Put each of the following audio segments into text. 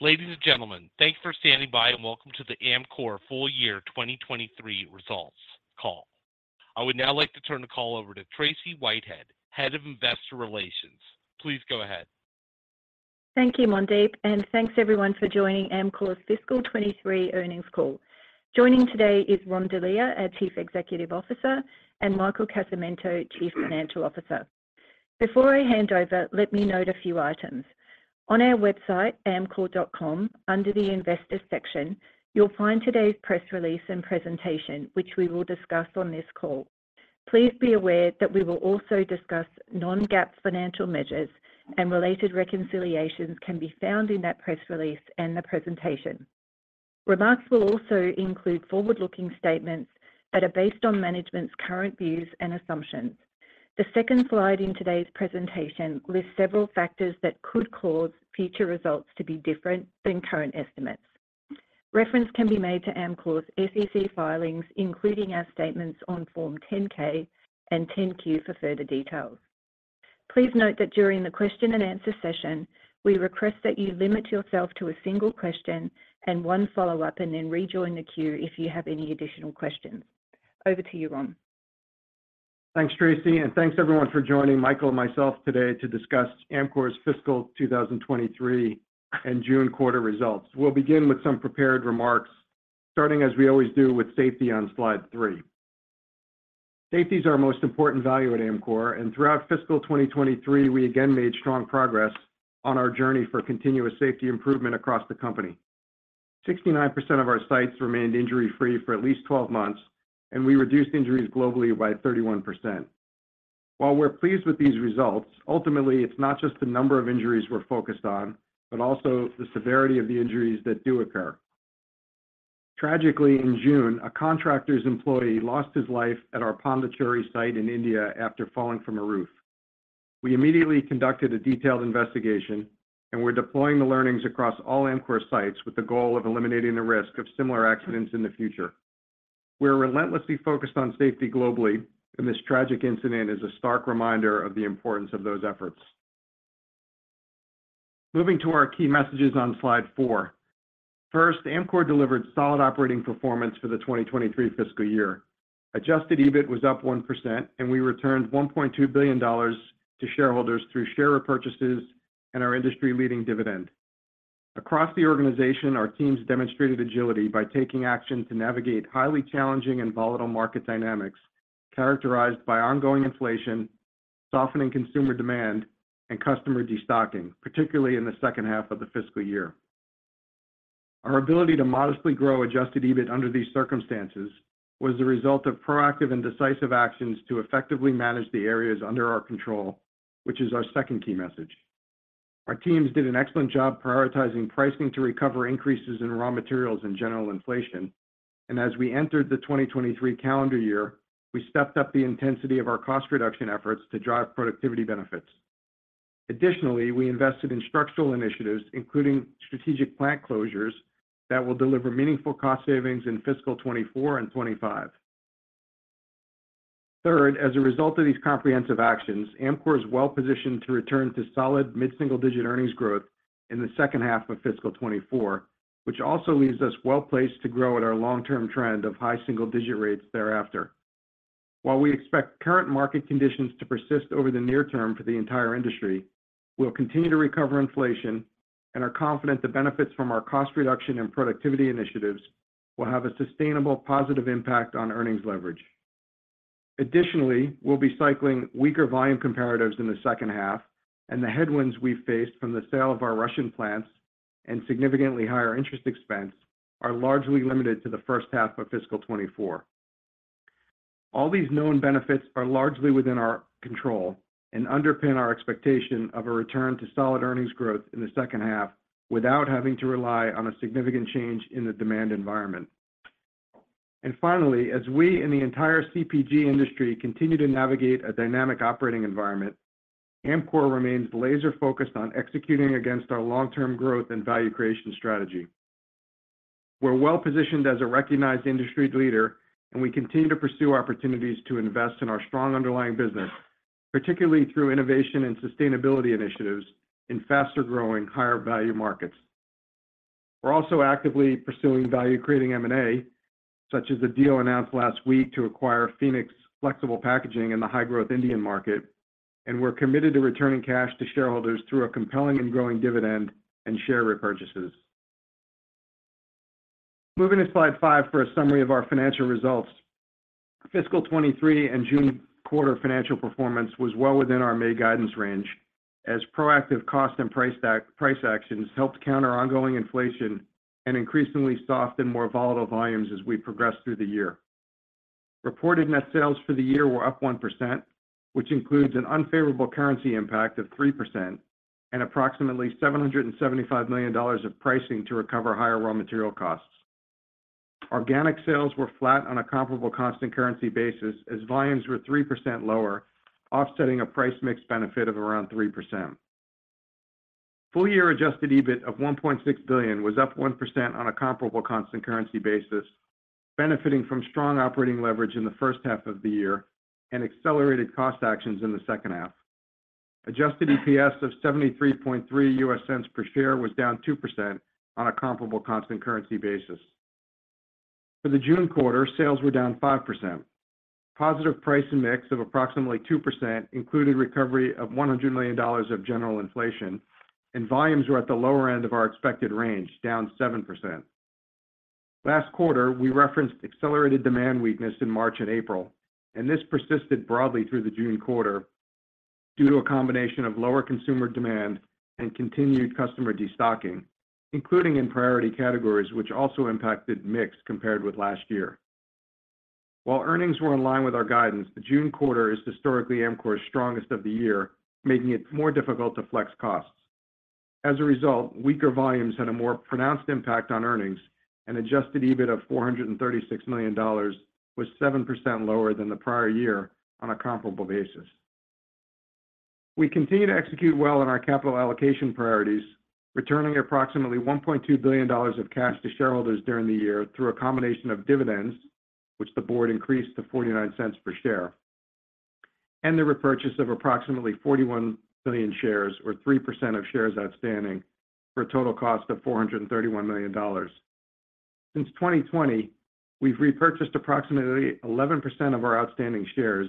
Ladies and gentlemen, thank you for standing by, welcome to the Amcor Full Year 2023 Results Call. I would now like to turn the call over to Tracey Whitehead, Head of Investor Relations. Please go ahead. Thank you, Mandeep, and thanks everyone for joining Amcor's Fiscal 23 Earnings Call. Joining today is Ron Delia, our Chief Executive Officer, and Michael Casamento, Chief Financial Officer. Before I hand over, let me note a few items. On our website, amcor.com, under the Investor section, you'll find today's press release and presentation, which we will discuss on this call. Please be aware that we will also discuss non-GAAP financial measures, and related reconciliations can be found in that press release and the presentation. Remarks will also include forward-looking statements that are based on management's current views and assumptions. The second slide in today's presentation lists several factors that could cause future results to be different than current estimates. Reference can be made to Amcor's SEC filings, including our statements on Form 10-K and Form 10-Q for further details. Please note that during the question and answer session, we request that you limit yourself to a single question and one follow-up, and then rejoin the queue if you have any additional questions. Over to you, Ron. Thanks, Tracey, and thanks everyone for joining Michael and myself today to discuss Amcor's fiscal 2023 and June quarter results. We'll begin with some prepared remarks, starting, as we always do, with safety on slide three. Safety is our most important value at Amcor. Throughout fiscal 2023, we again made strong progress on our journey for continuous safety improvement across the company. 69% of our sites remained injury-free for at least 12 months, and we reduced injuries globally by 31%. While we're pleased with these results, ultimately, it's not just the number of injuries we're focused on, but also the severity of the injuries that do occur. Tragically, in June, a contractor's employee lost his life at our Pondicherry site in India after falling from a roof. We immediately conducted a detailed investigation. We're deploying the learnings across all Amcor sites with the goal of eliminating the risk of similar accidents in the future. We're relentlessly focused on safety globally. This tragic incident is a stark reminder of the importance of those efforts. Moving to our key messages on slide four. First, Amcor delivered solid operating performance for the 2023 fiscal year. Adjusted EBIT was up 1%. We returned $1.2 billion to shareholders through share repurchases and our industry-leading dividend. Across the organization, our teams demonstrated agility by taking action to navigate highly challenging and volatile market dynamics, characterized by ongoing inflation, softening consumer demand, and customer destocking, particularly in the second half of the fiscal year. Our ability to modestly grow adjusted EBIT under these circumstances was the result of proactive and decisive actions to effectively manage the areas under our control, which is our second key message. Our teams did an excellent job prioritizing pricing to recover increases in raw materials and general inflation. As we entered the 2023 calendar year, we stepped up the intensity of our cost reduction efforts to drive productivity benefits. Additionally, we invested in structural initiatives, including strategic plant closures, that will deliver meaningful cost savings in fiscal 2024 and 2025. Third, as a result of these comprehensive actions, Amcor is well positioned to return to solid mid-single-digit earnings growth in the second half of fiscal 2024, which also leaves us well-placed to grow at our long-term trend of high single digit rates thereafter. While we expect current market conditions to persist over the near term for the entire industry, we'll continue to recover inflation and are confident the benefits from our cost reduction and productivity initiatives will have a sustainable positive impact on earnings leverage. Additionally, we'll be cycling weaker volume comparatives in the second half, and the headwinds we faced from the sale of our Russian plants and significantly higher interest expense are largely limited to the first half of fiscal 2024. All these known benefits are largely within our control and underpin our expectation of a return to solid earnings growth in the second half without having to rely on a significant change in the demand environment. Finally, as we in the entire CPG industry continue to navigate a dynamic operating environment, Amcor remains laser-focused on executing against our long-term growth and value creation strategy. We're well positioned as a recognized industry leader, we continue to pursue opportunities to invest in our strong underlying business, particularly through innovation and sustainability initiatives in faster-growing, higher-value markets. We're also actively pursuing value-creating M&A, such as the deal announced last week to acquire Phoenix Flexibles Packaging in the high-growth Indian market, we're committed to returning cash to shareholders through a compelling and growing dividend and share repurchases. Moving to slide five for a summary of our financial results. Fiscal 2023 and June quarter financial performance was well within our May guidance range, as proactive cost and price actions helped counter ongoing inflation and increasingly soft and more volatile volumes as we progressed through the year. Reported net sales for the year were up 1%, which includes an unfavorable currency impact of 3% and approximately $775 million of pricing to recover higher raw material costs. Organic sales were flat on a comparable constant currency basis as volumes were 3% lower, offsetting a price mix benefit of around 3%. Full-year adjusted EBIT of $1.6 billion was up 1% on a comparable constant currency basis benefiting from strong operating leverage in the first half of the year and accelerated cost actions in the second half. Adjusted EPS of $0.733 per share was down 2% on a comparable constant currency basis. For the June quarter, sales were down 5%. Positive price and mix of approximately 2% included recovery of $100 million of general inflation, and volumes were at the lower end of our expected range, down 7%. Last quarter, we referenced accelerated demand weakness in March and April, and this persisted broadly through the June quarter due to a combination of lower consumer demand and continued customer destocking, including in priority categories, which also impacted mix compared with last year. While earnings were in line with our guidance, the June quarter is historically Amcor's strongest of the year, making it more difficult to flex costs. As a result, weaker volumes had a more pronounced impact on earnings, and Adjusted EBIT of $436 million was 7% lower than the prior year on a comparable basis. We continue to execute well on our capital allocation priorities, returning approximately $1.2 billion of cash to shareholders during the year through a combination of dividends, which the board increased to $0.49 per share, and the repurchase of approximately 41 million shares, or 3% of shares outstanding, for a total cost of $431 million. Since 2020, we've repurchased approximately 11% of our outstanding shares,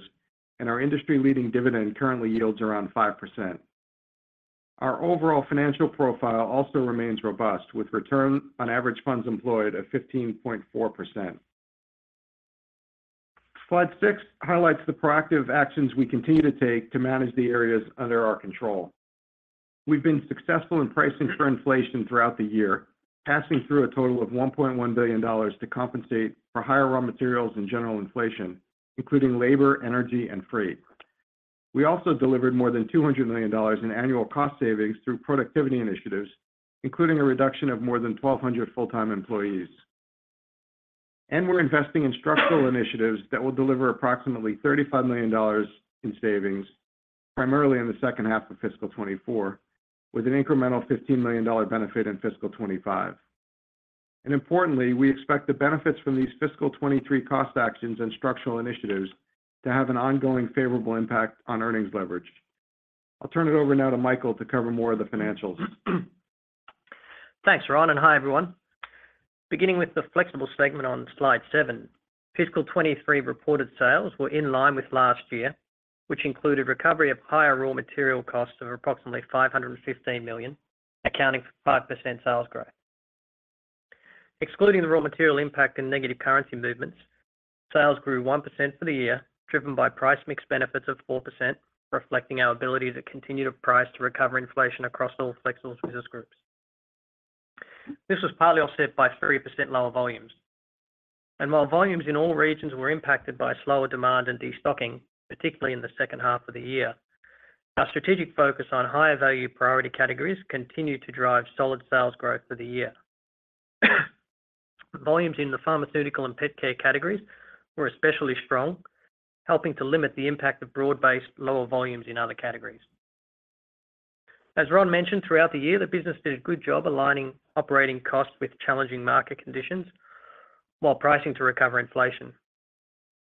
and our industry-leading dividend currently yields around 5%. Our overall financial profile also remains robust, with Return on Average Funds Employed of 15.4%. Slide six highlights the proactive actions we continue to take to manage the areas under our control. We've been successful in pricing for inflation throughout the year, passing through a total of $1.1 billion to compensate for higher raw materials and general inflation, including labor, energy, and freight. We also delivered more than $200 million in annual cost savings through productivity initiatives, including a reduction of more than 1,200 full-time employees. We're investing in structural initiatives that will deliver approximately $35 million in savings, primarily in the second half of fiscal 2024, with an incremental $15 million benefit in fiscal 2025. Importantly, we expect the benefits from these fiscal 2023 cost actions and structural initiatives to have an ongoing favorable impact on earnings leverage. I'll turn it over now to Michael to cover more of the financials. Thanks, Ron. Hi, everyone. Beginning with the Flexibles segment on slide seven, fiscal 2023 reported sales were in line with last year, which included recovery of higher raw material costs of approximately $515 million, accounting for 5% sales growth. Excluding the raw material impact and negative currency movements, sales grew 1% for the year, driven by price mix benefits of 4%, reflecting our ability to continue to price to recover inflation across all Flexibles' business groups. This was partly offset by 3% lower volumes. While volumes in all regions were impacted by slower demand and destocking, particularly in the second half of the year, our strategic focus on higher value priority categories continued to drive solid sales growth for the year. Volumes in the pharmaceutical and pet care categories were especially strong, helping to limit the impact of broad-based lower volumes in other categories. As Ron mentioned, throughout the year, the business did a good job aligning operating costs with challenging market conditions while pricing to recover inflation.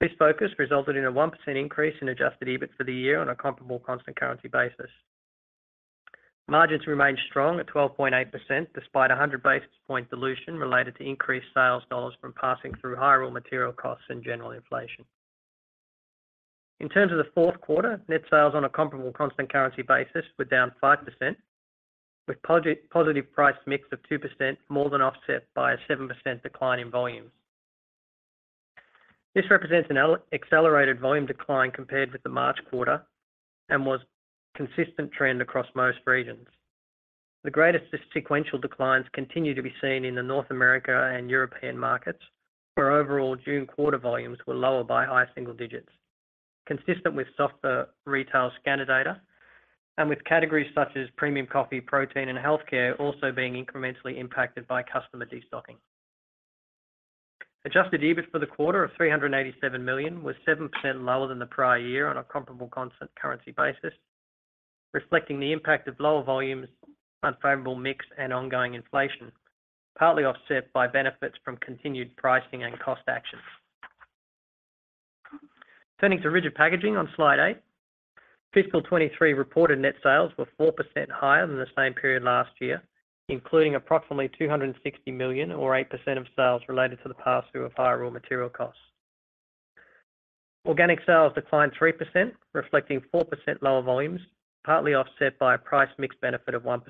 This focus resulted in a 1% increase in Adjusted EBIT for the year on a comparable constant currency basis. Margins remained strong at 12.8%, despite 100 basis point dilution related to increased $ sales from passing through higher raw material costs and general inflation. In terms of the fourth quarter, net sales on a comparable constant currency basis were down 5%, with positive price mix of 2%, more than offset by a 7% decline in volumes. This represents an accelerated volume decline compared with the March quarter and was a consistent trend across most regions. The greatest sequential declines continue to be seen in the North America and European markets, where overall June quarter volumes were lower by high single digits, consistent with softer retail scanner data and with categories such as premium coffee, protein, and healthcare also being incrementally impacted by customer destocking. Adjusted EBIT for the quarter of $387 million was 7% lower than the prior year on a comparable constant currency basis, reflecting the impact of lower volumes, unfavorable mix and ongoing inflation, partly offset by benefits from continued pricing and cost actions. Turning to Rigid Packaging on slide eight, fiscal 2023 reported net sales were 4% higher than the same period last year, including approximately $260 million or 8% of sales related to the pass-through of higher raw material costs. Organic sales declined 3%, reflecting 4% lower volumes, partly offset by a price mix benefit of 1%.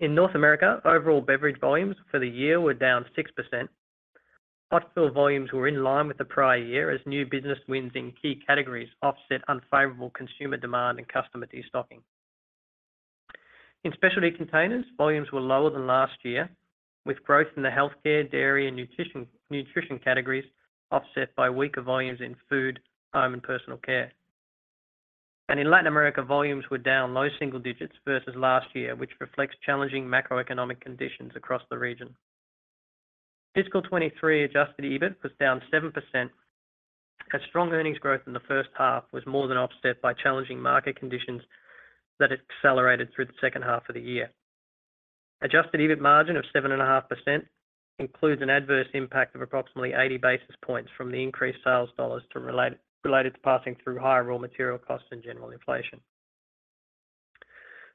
In North America, overall beverage volumes for the year were down 6%. Hot fill volumes were in line with the prior year as new business wins in key categories offset unfavorable consumer demand and customer destocking. In Specialty Containers, volumes were lower than last year, with growth in the healthcare, dairy, and nutrition, nutrition categories offset by weaker volumes in food, home, and personal care. In Latin America, volumes were down low single digits versus last year, which reflects challenging macroeconomic conditions across the region. Fiscal 2023 Adjusted EBIT was down 7%. Strong earnings growth in the first half was more than offset by challenging market conditions that accelerated through the second half of the year. Adjusted EBIT margin of 7.5% includes an adverse impact of approximately 80 basis points from the increased sales US dollars related to passing through higher raw material costs and general inflation.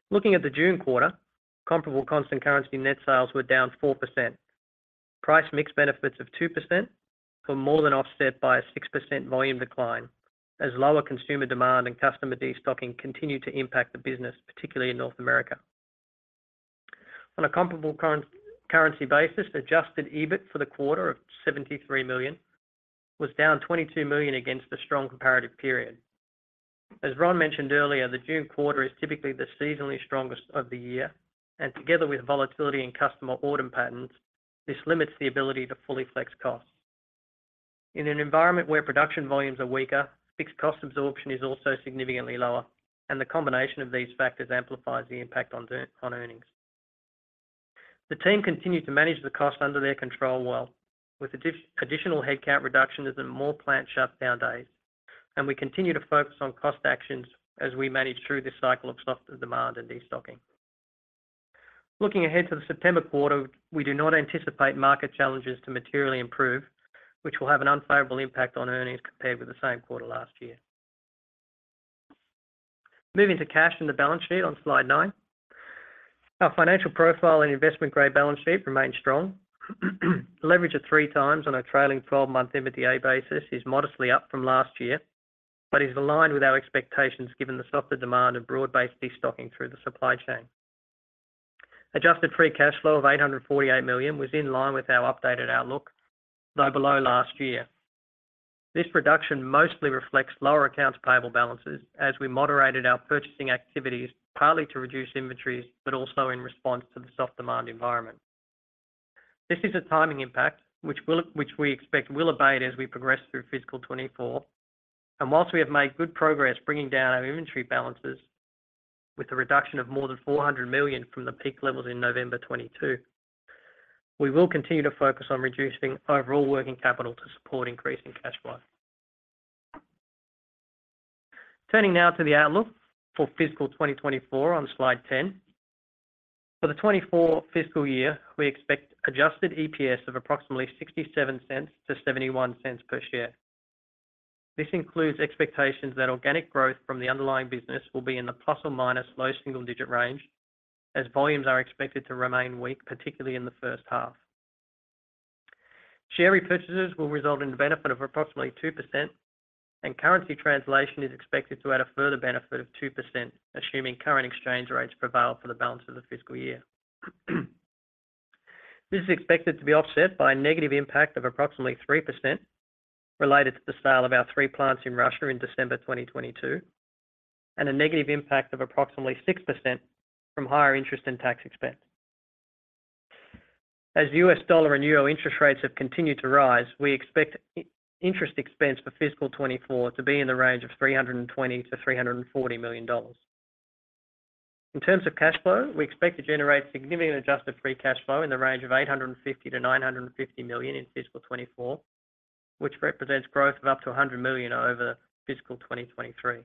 Looking at the June quarter, comparable constant currency net sales were down 4%. Price mix benefits of 2% were more than offset by a 6% volume decline, as lower consumer demand and customer destocking continued to impact the business, particularly in North America. On a comparable currency basis, Adjusted EBIT for the quarter of $73 million was down $22 million against the strong comparative period. As Ron mentioned earlier, the June quarter is typically the seasonally strongest of the year, and together with volatility in customer order patterns, this limits the ability to fully flex costs. In an environment where production volumes are weaker, fixed cost absorption is also significantly lower, and the combination of these factors amplifies the impact on earnings. The team continued to manage the cost under their control well, with additional headcount reductions and more plant shutdown days. We continue to focus on cost actions as we manage through this cycle of softer demand and destocking. Looking ahead to the September quarter, we do not anticipate market challenges to materially improve, which will have an unfavorable impact on earnings compared with the same quarter last year. Moving to cash and the balance sheet on slide nine. Our financial profile and investment-grade balance sheet remain strong. Leverage of three times on a trailing 12 EBITDA basis is modestly up from last year, but is aligned with our expectations, given the softer demand and broad-based destocking through the supply chain. Adjusted free cash flow of $848 million was in line with our updated outlook, though below last year. This reduction mostly reflects lower accounts payable balances as we moderated our purchasing activities, partly to reduce inventories, but also in response to the soft demand environment. This is a timing impact, which we expect will abate as we progress through fiscal 2024. Whilst we have made good progress bringing down our inventory balances with a reduction of more than $400 million from the peak levels in November 2022, we will continue to focus on reducing overall working capital to support increasing cash flow. Turning now to the outlook for fiscal 2024 on Slide 10. For the 2024 fiscal year, we expect Adjusted EPS of approximately $0.67-$0.71 per share. This includes expectations that organic growth from the underlying business will be in the ± low single-digit range, as volumes are expected to remain weak, particularly in the first half. Share repurchases will result in a benefit of approximately 2%, and currency translation is expected to add a further benefit of 2%, assuming current exchange rates prevail for the balance of the fiscal year. This is expected to be offset by a negative impact of approximately 3% related to the sale of our three plants in Russia in December 2022, and a negative impact of approximately 6% from higher interest and tax expense. As US dollar and euro interest rates have continued to rise, we expect interest expense for fiscal 2024 to be in the range of $320 million-$340 million. In terms of cash flow, we expect to generate significant adjusted free cash flow in the range of $850 million-$950 million in fiscal 2024, which represents growth of up to $100 million over fiscal 2023.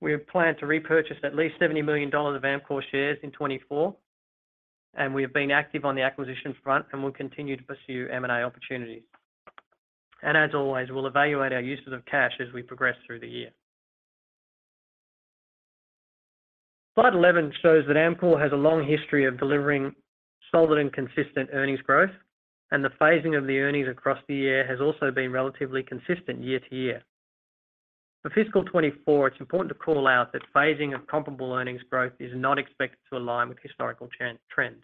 We have planned to repurchase at least $70 million of Amcor shares in 2024, we have been active on the acquisition front and will continue to pursue M&A opportunities. As always, we'll evaluate our uses of cash as we progress through the year. Slide 11 shows that Amcor has a long history of delivering solid and consistent earnings growth, and the phasing of the earnings across the year has also been relatively consistent year-to-year. For fiscal 2024, it's important to call out that phasing of comparable earnings growth is not expected to align with historical trends.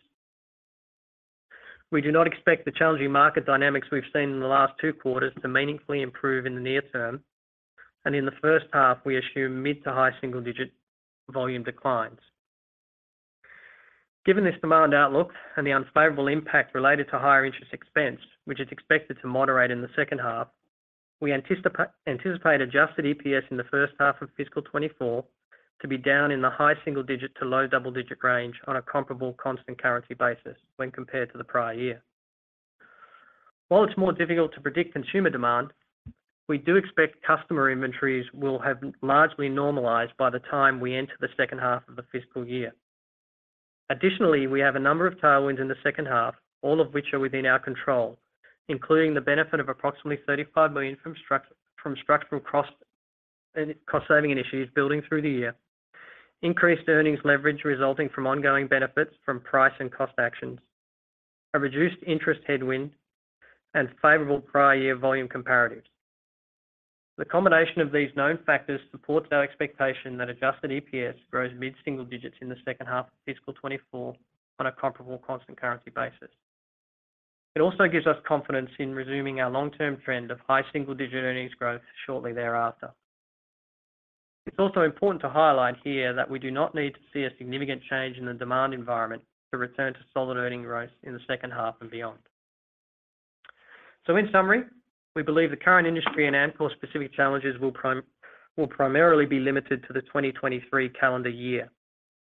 We do not expect the challenging market dynamics we've seen in the last 2 quarters to meaningfully improve in the near term, and in the first half, we assume mid-to-high single-digit volume declines. Given this demand outlook and the unfavorable impact related to higher interest expense, which is expected to moderate in the second half, we anticipate Adjusted EPS in the first half of fiscal 2024 to be down in the high single-digit to low double-digit range on a comparable constant currency basis when compared to the prior year. While it's more difficult to predict consumer demand, we do expect customer inventories will have largely normalized by the time we enter the second half of the fiscal year. Additionally, we have a number of tailwinds in the second half, all of which are within our control, including the benefit of approximately $35 million from structural cost saving initiatives building through the year, increased earnings leverage resulting from ongoing benefits from price and cost actions, a reduced interest headwind, and favorable prior year volume comparatives. The combination of these known factors supports our expectation that Adjusted EPS grows mid-single digits in the second half of fiscal 2024 on a comparable constant currency basis. It also gives us confidence in resuming our long-term trend of high single-digit earnings growth shortly thereafter. It's also important to highlight here that we do not need to see a significant change in the demand environment to return to solid earnings growth in the second half and beyond. In summary, we believe the current industry and Amcor-specific challenges will primarily be limited to the 2023 calendar year.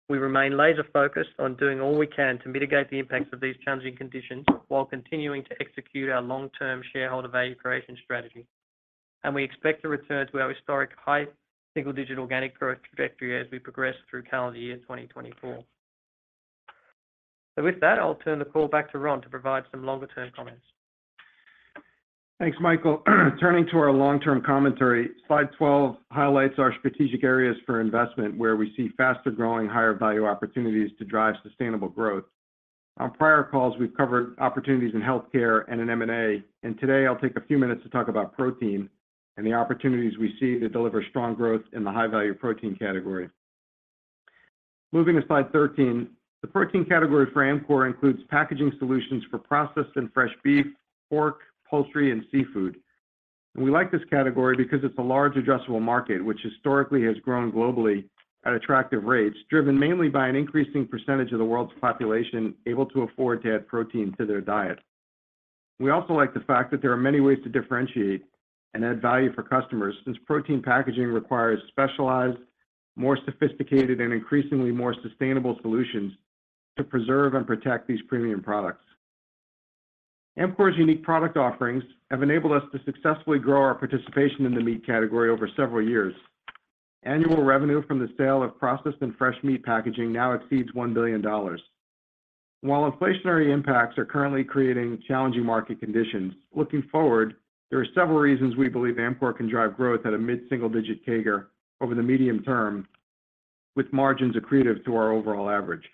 We remain laser focused on doing all we can to mitigate the impacts of these challenging conditions, while continuing to execute our long-term shareholder value creation strategy. We expect to return to our historic high single-digit organic growth trajectory as we progress through calendar year 2024. With that, I'll turn the call back to Ron to provide some longer-term comments. Thanks, Michael. Turning to our long-term commentary, slide 12 highlights our strategic areas for investment, where we see faster-growing, higher-value opportunities to drive sustainable growth. On prior calls, we've covered opportunities in healthcare and in M&A, and today I'll take a few minutes to talk about protein and the opportunities we see to deliver strong growth in the high-value protein category. Moving to slide 13, the protein category for Amcor includes packaging solutions for processed and fresh beef, pork, poultry, and seafood. We like this category because it's a large addressable market, which historically has grown globally at attractive rates, driven mainly by an increasing percentage of the world's population able to afford to add protein to their diet. We also like the fact that there are many ways to differentiate and add value for customers, since protein packaging requires specialized, more sophisticated, and increasingly more sustainable solutions to preserve and protect these premium products. Amcor's unique product offerings have enabled us to successfully grow our participation in the meat category over several years. Annual revenue from the sale of processed and fresh meat packaging now exceeds $1 billion. While inflationary impacts are currently creating challenging market conditions, looking forward, there are several reasons we believe Amcor can drive growth at a mid-single-digit CAGR over the medium term, with margins accretive to our overall average.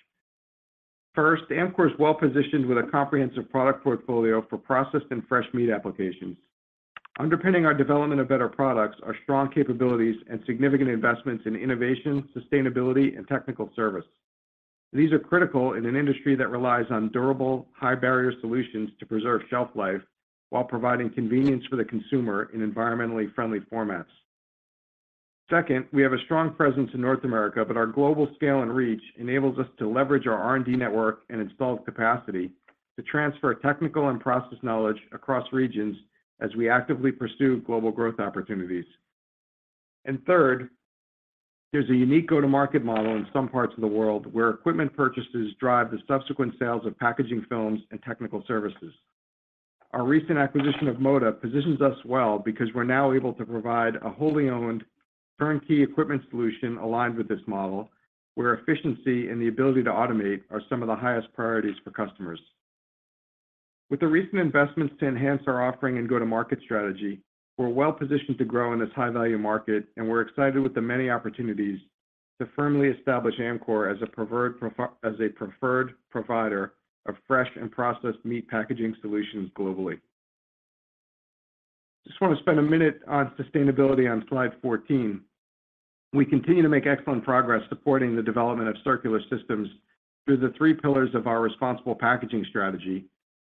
First, Amcor is well positioned with a comprehensive product portfolio for processed and fresh meat applications. Underpinning our development of better products are strong capabilities and significant investments in innovation, sustainability, and technical service. These are critical in an industry that relies on durable, high-barrier solutions to preserve shelf life while providing convenience for the consumer in environmentally friendly formats. Second, we have a strong presence in North America, but our global scale and reach enables us to leverage our R&D network and installed capacity to transfer technical and process knowledge across regions as we actively pursue global growth opportunities. Third, there's a unique go-to-market model in some parts of the world, where equipment purchases drive the subsequent sales of packaging films and technical services. Our recent acquisition of Moda positions us well because we're now able to provide a wholly owned turnkey equipment solution aligned with this model, where efficiency and the ability to automate are some of the highest priorities for customers. With the recent investments to enhance our offering and go-to-market strategy, we're well positioned to grow in this high-value market, we're excited with the many opportunities to firmly establish Amcor as a preferred provider of fresh and processed meat packaging solutions globally. Just want to spend a minute on sustainability on slide 14. We continue to make excellent progress supporting the development of circular systems through the three pillars of our responsible packaging strategy: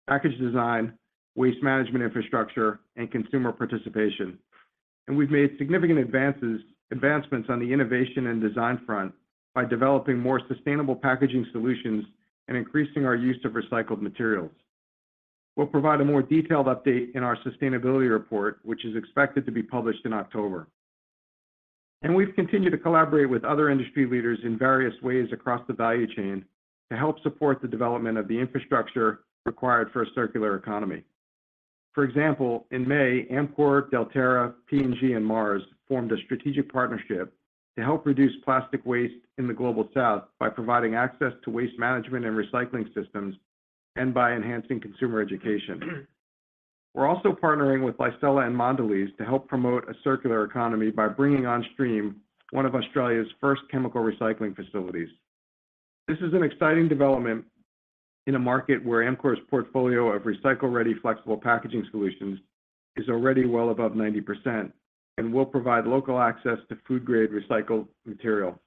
package design, waste management infrastructure, and consumer participation. We've made significant advancements on the innovation and design front by developing more sustainable packaging solutions and increasing our use of recycled materials. We'll provide a more detailed update in our sustainability report, which is expected to be published in October. We've continued to collaborate with other industry leaders in various ways across the value chain to help support the development of the infrastructure required for a circular economy. For example, in May, Amcor, Delterra, P&G, and Mars formed a strategic partnership to help reduce plastic waste in the Global South by providing access to waste management and recycling systems and by enhancing consumer education. We're also partnering with Licella and Mondelēz to help promote a circular economy by bringing on stream one of Australia's first chemical recycling facilities. This is an exciting development in a market where Amcor's portfolio of recycle-ready, flexible packaging solutions is already well above 90% and will provide local access to food-grade recycled material.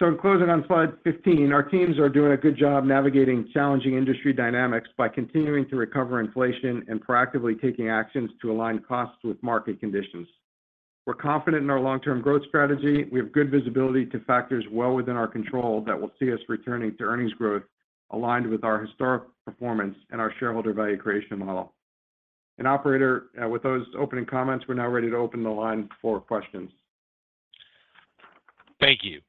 In closing, on slide 15, our teams are doing a good job navigating challenging industry dynamics by continuing to recover inflation and proactively taking actions to align costs with market conditions. We're confident in our long-term growth strategy. We have good visibility to factors well within our control that will see us returning to earnings growth aligned with our historic performance and our shareholder value creation model. Operator, with those opening comments, we're now ready to open the line for questions. Thank you.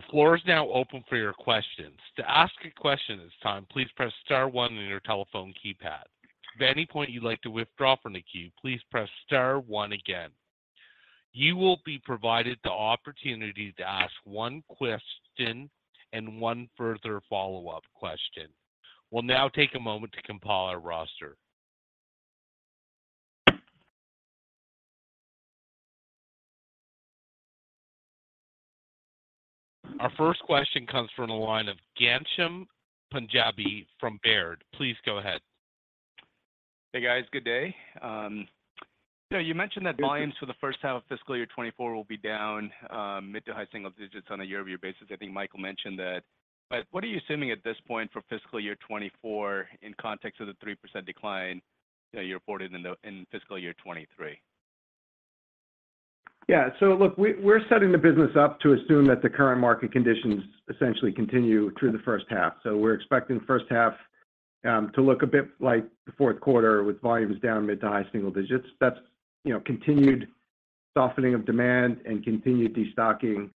The floor is now open for your questions. To ask a question at this time, please press star one on your telephone keypad. If at any point you'd like to withdraw from the queue, please press star one again. You will be provided the opportunity to ask one question and one further follow-up question. We'll now take a moment to compile our roster. Our first question comes from the line of Ghansham Panjabi from Baird. Please go ahead. Hey, guys. Good day. You mentioned that volumes for the first half of fiscal year 2024 will be down mid to high single digits on a year-over-year basis. I think Michael mentioned that. What are you assuming at this point for fiscal year 2024 in context of the 3% decline that you reported in the, in fiscal year 2023? Yeah. Look, we, we're setting the business up to assume that the current market conditions essentially continue through the first half. We're expecting first half to look a bit like the fourth quarter, with volumes down mid-to-high single digits. That's, you know, continued softening of demand and continued destocking,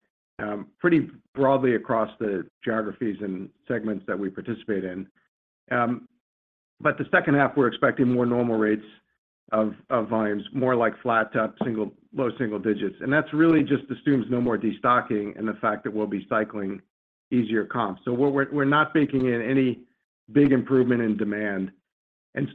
pretty broadly across the geographies and segments that we participate in. The second half, we're expecting more normal rates of, of volumes, more like flat to up low single digits. That's really just assumes no more destocking and the fact that we'll be cycling easier comps. We're, we're not baking in any big improvement in demand.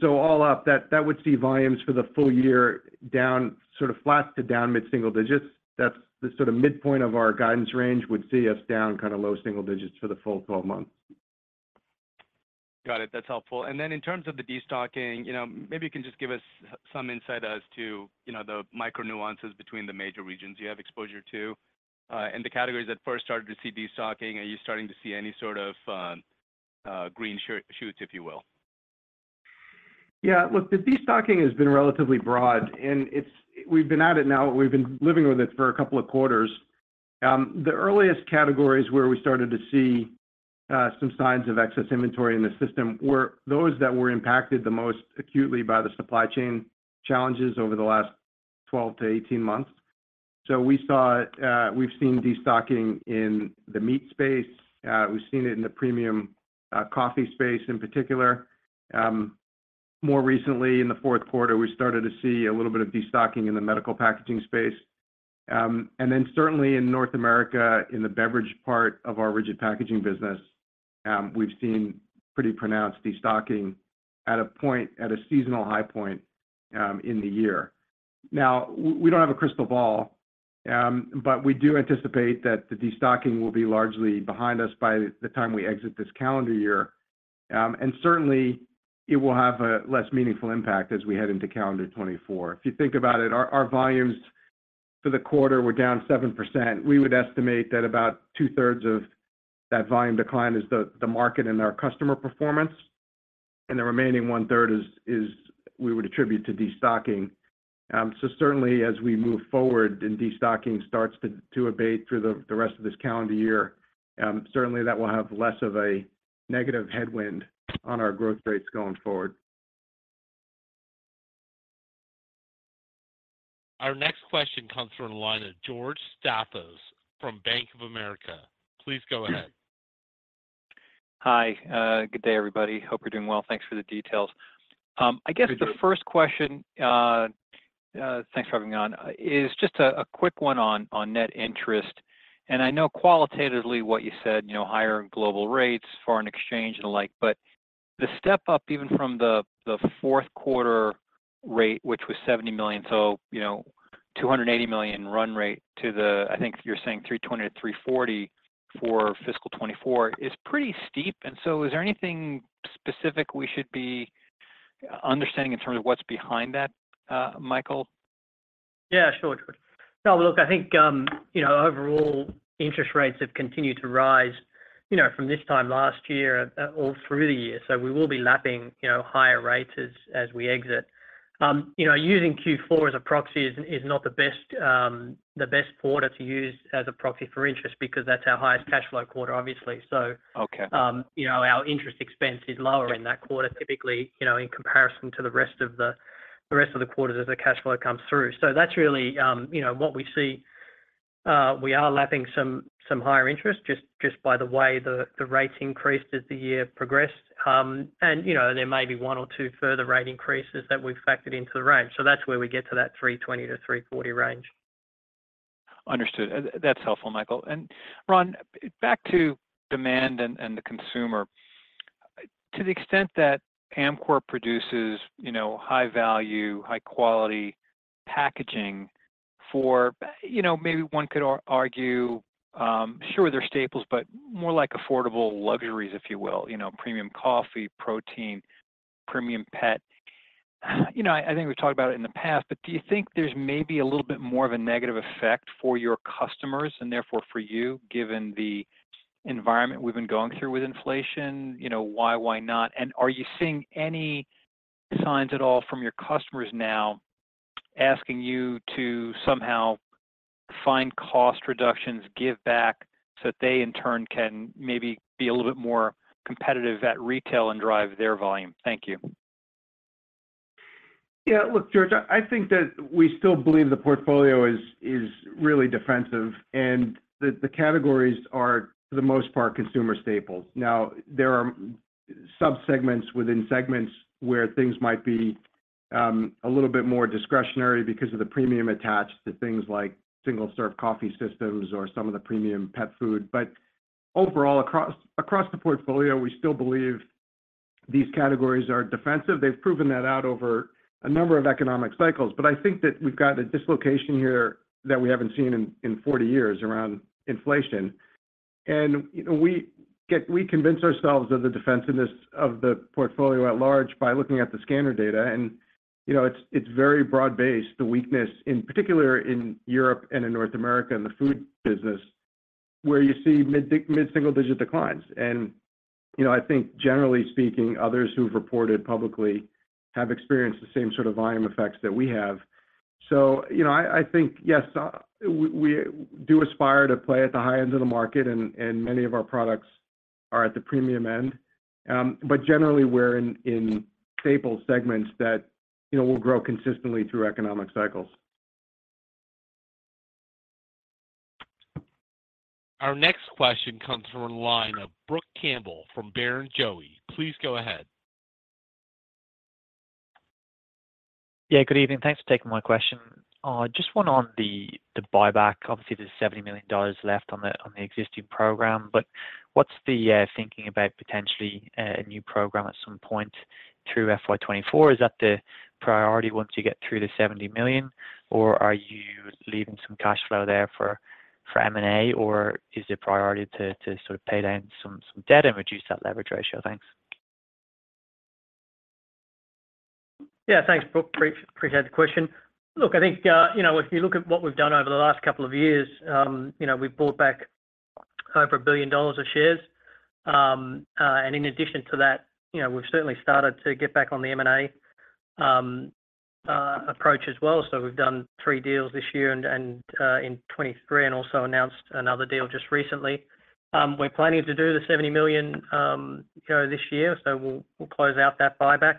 All up, that, that would see volumes for the full year down sort of flat to down mid-single digits. That's the sort of midpoint of our guidance range, would see us down kind of low single digits for the full 12 months. Got it. That's helpful. Then in terms of the destocking, you know, maybe you can just give us some insight as to, you know, the micro nuances between the major regions you have exposure to, and the categories that first started to see destocking. Are you starting to see any sort of green shoots, if you will? Yeah, look, the destocking has been relatively broad, and we've been living with it for two quarters. The earliest categories where we started to see some signs of excess inventory in the system were those that were impacted the most acutely by the supply chain challenges over the last 12 to 18 months. We've seen destocking in the meat space. We've seen it in the premium coffee space in particular. More recently, in the fourth quarter, we started to see a little bit of destocking in the medical packaging space. Certainly in North America, in the beverage part of our Rigid Packaging business, we've seen pretty pronounced destocking at a seasonal high point in the year. Now, we don't have a crystal ball, but we do anticipate that the destocking will be largely behind us by the time we exit this calendar year. Certainly, it will have a less meaningful impact as we head into calendar 2024. If you think about it, our volumes for the quarter were down 7%. We would estimate that about two-thirds of that volume decline is the market and our customer performance, and the remaining one-third is we would attribute to destocking. Certainly, as we move forward and destocking starts to abate through the rest of this calendar year, certainly that will have less of a negative headwind on our growth rates going forward. Our next question comes from the line of George Staphos from Bank of America. Please go ahead. Hi. Good day, everybody. Hope you're doing well. Thanks for the details. Good day. The first question, thanks for having me on, is just a quick one on net interest. I know qualitatively what you said, you know, higher global rates, foreign exchange, and the like, but the step up, even from the fourth quarter rate, which was $70 million, so, you know, $280 million run rate to the, I think you're saying $320 million-$340 million for fiscal 2024, is pretty steep. Is there anything specific we should be understanding in terms of what's behind that, Michael? Yeah, sure, George. Now, look, I think, you know, overall, interest rates have continued to rise, you know, from this time last year, all through the year. We will be lapping, you know, higher rates as, as we exit. You know, using Q4 as a proxy is, is not the best, the best quarter to use as a proxy for interest, because that's our highest cash flow quarter, obviously. Okay. You know, our interest expense is lower in that quarter, typically, you know, in comparison to the rest of the quarters as the cash flow comes through. That's really, you know, what we see. We are lapping some higher interest just by the way the rates increased as the year progressed. You know, there may be one or two further rate increases that we've factored into the range. That's where we get to that $320-$340 range. Understood. That's helpful, Michael. Ron, back to demand and the consumer. To the extent that Amcor produces, you know, high value, high quality packaging for, you know, maybe one could argue, sure, they're staples, but more like affordable luxuries, if you will, you know, premium coffee, protein, premium pet. You know, I think we've talked about it in the past, but do you think there's maybe a little bit more of a negative effect for your customers and therefore for you, given the environment we've been going through with inflation? You know, why, why not? Are you seeing any signs at all from your customers now asking you to somehow find cost reductions, give back, so that they, in turn, can maybe be a little bit more competitive at retail and drive their volume? Thank you. Yeah. Look, George, I, I think that we still believe the portfolio is, is really defensive and the, the categories are, for the most part, consumer staples. Now, there are subsegments within segments where things might be, a little bit more discretionary because of the premium attached to things like single-serve coffee systems or some of the premium pet food. Overall, across, across the portfolio, we still believe these categories are defensive. They've proven that out over a number of economic cycles. I think that we've got a dislocation here that we haven't seen in, in 40 years around inflation. You know, we convince ourselves of the defensiveness of the portfolio at large by looking at the scanner data. You know, it's, it's very broad-based, the weakness, in particular in Europe and in North America, in the food business, where you see mid single digit declines. You know, I think generally speaking, others who've reported publicly have experienced the same sort of volume effects that we have. You know, I, I think, yes, we, we do aspire to play at the high end of the market, and, and many of our products are at the premium end. But generally, we're in, in staple segments that, you know, will grow consistently through economic cycles. Our next question comes from the line of Brook Campbell from Barrenjoey. Please go ahead. Yeah, good evening. Thanks for taking my question. Just one on the buyback. Obviously, there's $70 million left on the existing program, but what's the thinking about potentially a new program at some point through FY 2024? Is that the priority once you get through the $70 million, or are you leaving some cash flow there for M&A, or is it a priority to sort of pay down some debt and reduce that leverage ratio? Thanks. Yeah, thanks, Brooke. Appreciate the question. Look, I think, you know, if you look at what we've done over the last couple of years, you know, we've bought back over $1 billion of shares. In addition to that, you know, we've certainly started to get back on the M&A approach as well. We've done 3 deals this year and, in 2023, and also announced another deal just recently. We're planning to do the $70 million, you know, this year, so we'll, we'll close out that buyback.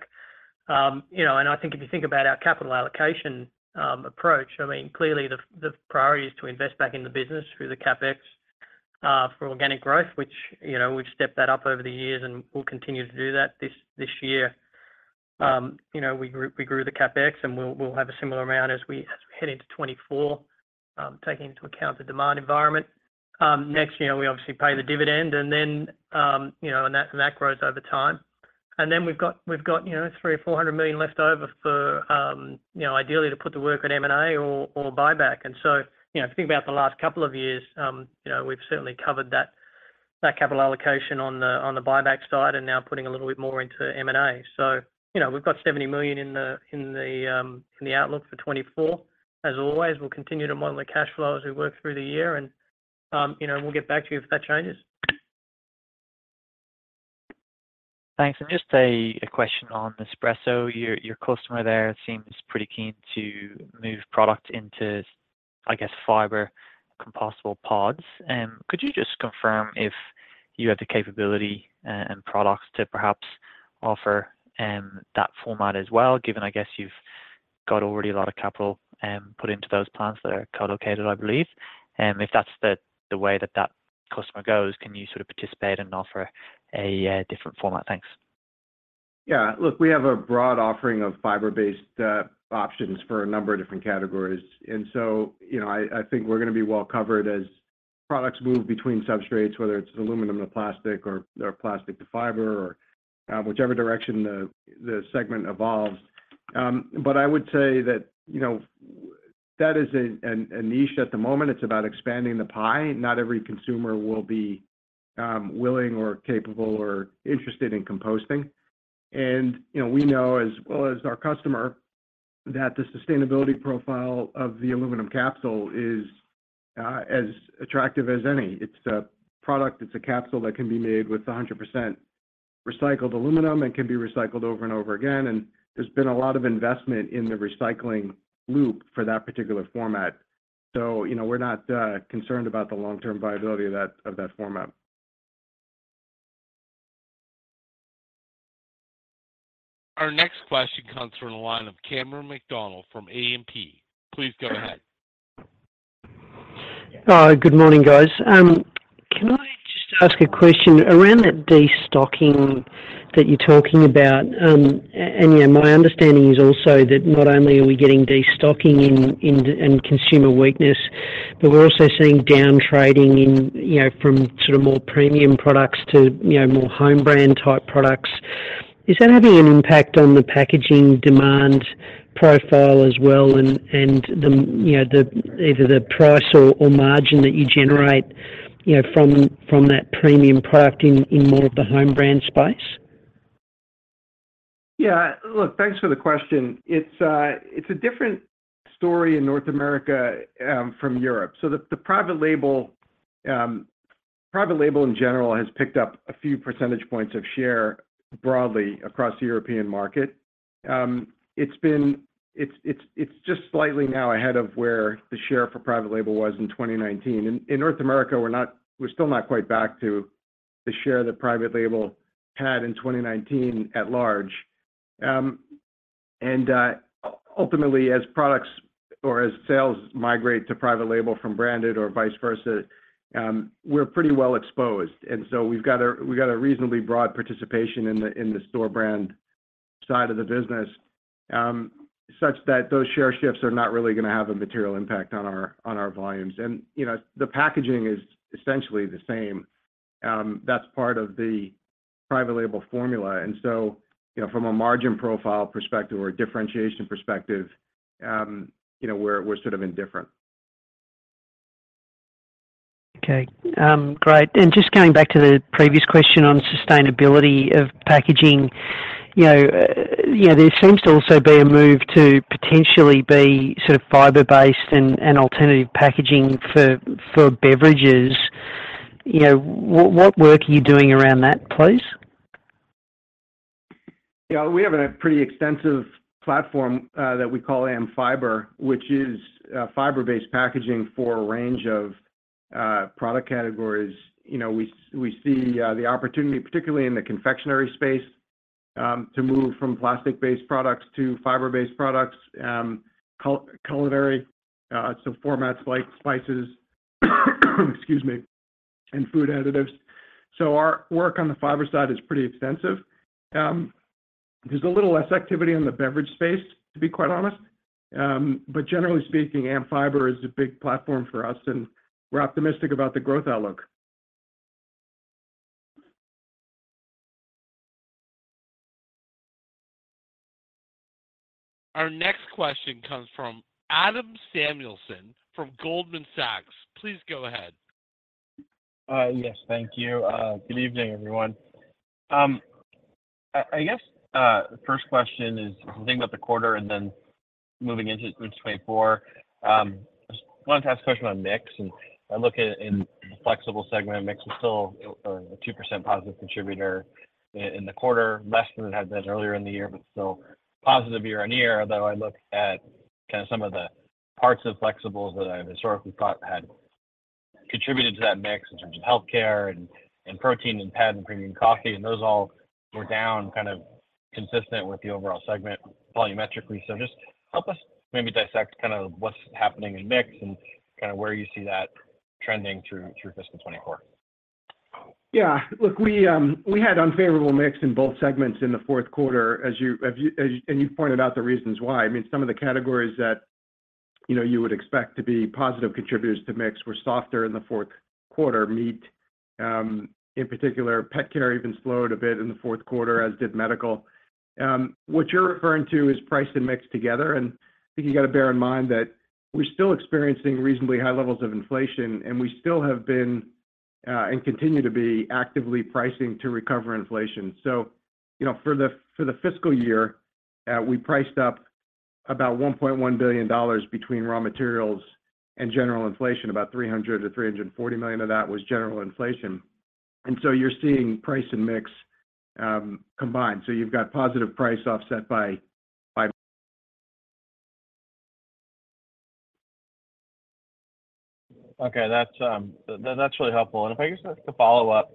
You know, and I think if you think about our capital allocation approach, I mean, clearly the priority is to invest back in the business through the CapEx for organic growth, which, you know, we've stepped that up over the years, and we'll continue to do that this, this year. You know, we grew, we grew the CapEx, and we'll, we'll have a similar amount as we, as we head into 2024, taking into account the demand environment. Next, you know, we obviously pay the dividend, and then, you know, and that, and that grows over time. Then we've got, we've got, you know, $300 million-$400 million left over for, you know, ideally to put to work on M&A or, or buyback. You know, if you think about the last couple of years, you know, we've certainly covered that, that capital allocation on the, on the buyback side and now putting a little bit more into M&A. You know, we've got $70 million in the, in the, in the outlook for 2024. As always, we'll continue to model the cash flow as we work through the year and, you know, we'll get back to you if that changes. Thanks. And just a, a question on Nespresso. Your, your customer there seems pretty keen to move product into, I guess, fiber-compostable pods. Could you just confirm if you have the capability and products to perhaps offer that format as well, given, I guess, you've got already a lot of capital put into those plants that are co-located, I believe? If that's the, the way that that customer goes, can you sort of participate and offer a different format? Thanks. Yeah. Look, we have a broad offering of fiber-based options for a number of different categories. You know, I, I think we're gonna be well covered as products move between substrates, whether it's aluminum to plastic or, or plastic to fiber, or whichever direction the, the segment evolves. I would say that, you know, that is a, an, a niche at the moment. It's about expanding the pie. Not every consumer will be willing or capable or interested in composting. You know, we know as well as our customer, that the sustainability profile of the aluminum capsule is as attractive as any. It's a product, it's a capsule that can be made with 100% recycled aluminum and can be recycled over and over again, and there's been a lot of investment in the recycling loop for that particular format. You know, we're not concerned about the long-term viability of that, of that format. Our next question comes from the line of Cameron McDonald from E&P. Please go ahead. Good morning, guys. Can I just ask a question around that destocking that you're talking about? And, you know, my understanding is also that not only are we getting destocking in, in, and consumer weakness, but we're also seeing downtrading in, you know, from sort of more premium products to, you know, more home brand type products. Is that having an impact on the packaging demand profile as well, and, and the, you know, the, either the price or, or margin that you generate, you know, from, from that premium product in, in more of the home brand space? Yeah. Look, thanks for the question. It's, it's a different story in North America, from Europe. The, the private label, private label, in general, has picked up a few percentage points of share broadly across the European market. It's, it's, it's just slightly now ahead of where the share for private label was in 2019. In, in North America, we're not, we're still not quite back to the share that private label had in 2019 at large. Ultimately, as products or as sales migrate to private label from branded or vice versa, we're pretty well exposed, and so we've got a, we've got a reasonably broad participation in the, in the store brand side of the business, such that those share shifts are not really gonna have a material impact on our, on our volumes. You know, the packaging is essentially the same. That's part of the private label formula. You know, from a margin profile perspective or differentiation perspective, you know, we're, we're sort of indifferent. Okay, great. And just going back to the previous question on sustainability of packaging, you know, you know, there seems to also be a move to potentially be sort of fiber-based and, and alternative packaging for, for beverages. You know, what, what work are you doing around that, please? Yeah, we have a pretty extensive platform that we call AmFiber, which is fiber-based packaging for a range of product categories. You know, we see the opportunity, particularly in the confectionery space, to move from plastic-based products to fiber-based products, culinary, so formats like spices, excuse me, and food additives. Our work on the fiber side is pretty extensive. There's a little less activity in the beverage space, to be quite honest. Generally speaking, AmFiber is a big platform for us, and we're optimistic about the growth outlook. Our next question comes from Adam Samuelson from Goldman Sachs. Please go ahead. Yes, thank you. Good evening, everyone. I, I guess, the first question is the thing about the quarter, then moving into 2024. I wanted to ask a question on mix. I look at in the Flexibles segment, mix is still a 2% positive contributor in, in the quarter, less than it had been earlier in the year, but still positive year-on-year. I look at kind of some of the parts of Flexibles that I've historically thought had contributed to that mix in terms of healthcare and, and protein and pet and premium coffee, those all were down, kind of consistent with the overall segment volumetrically. Just help us maybe dissect kind of what's happening in mix and kind of where you see that trending through, through fiscal 2024. Yeah, look, we had unfavorable mix in both segments in the fourth quarter. You pointed out the reasons why. I mean, some of the categories that, you know, you would expect to be positive contributors to mix were softer in the fourth quarter. Meat, in particular, pet care even slowed a bit in the fourth quarter, as did medical. What you're referring to is price and mix together, and I think you got to bear in mind that we're still experiencing reasonably high levels of inflation, and we still have been and continue to be actively pricing to recover inflation. You know, for the fiscal year, we priced up about $1.1 billion between raw materials and general inflation. About $300 million-$340 million of that was general inflation. You're seeing price and mix, combined. You've got positive price offset by. Okay, that's, that's really helpful. If I could just to follow up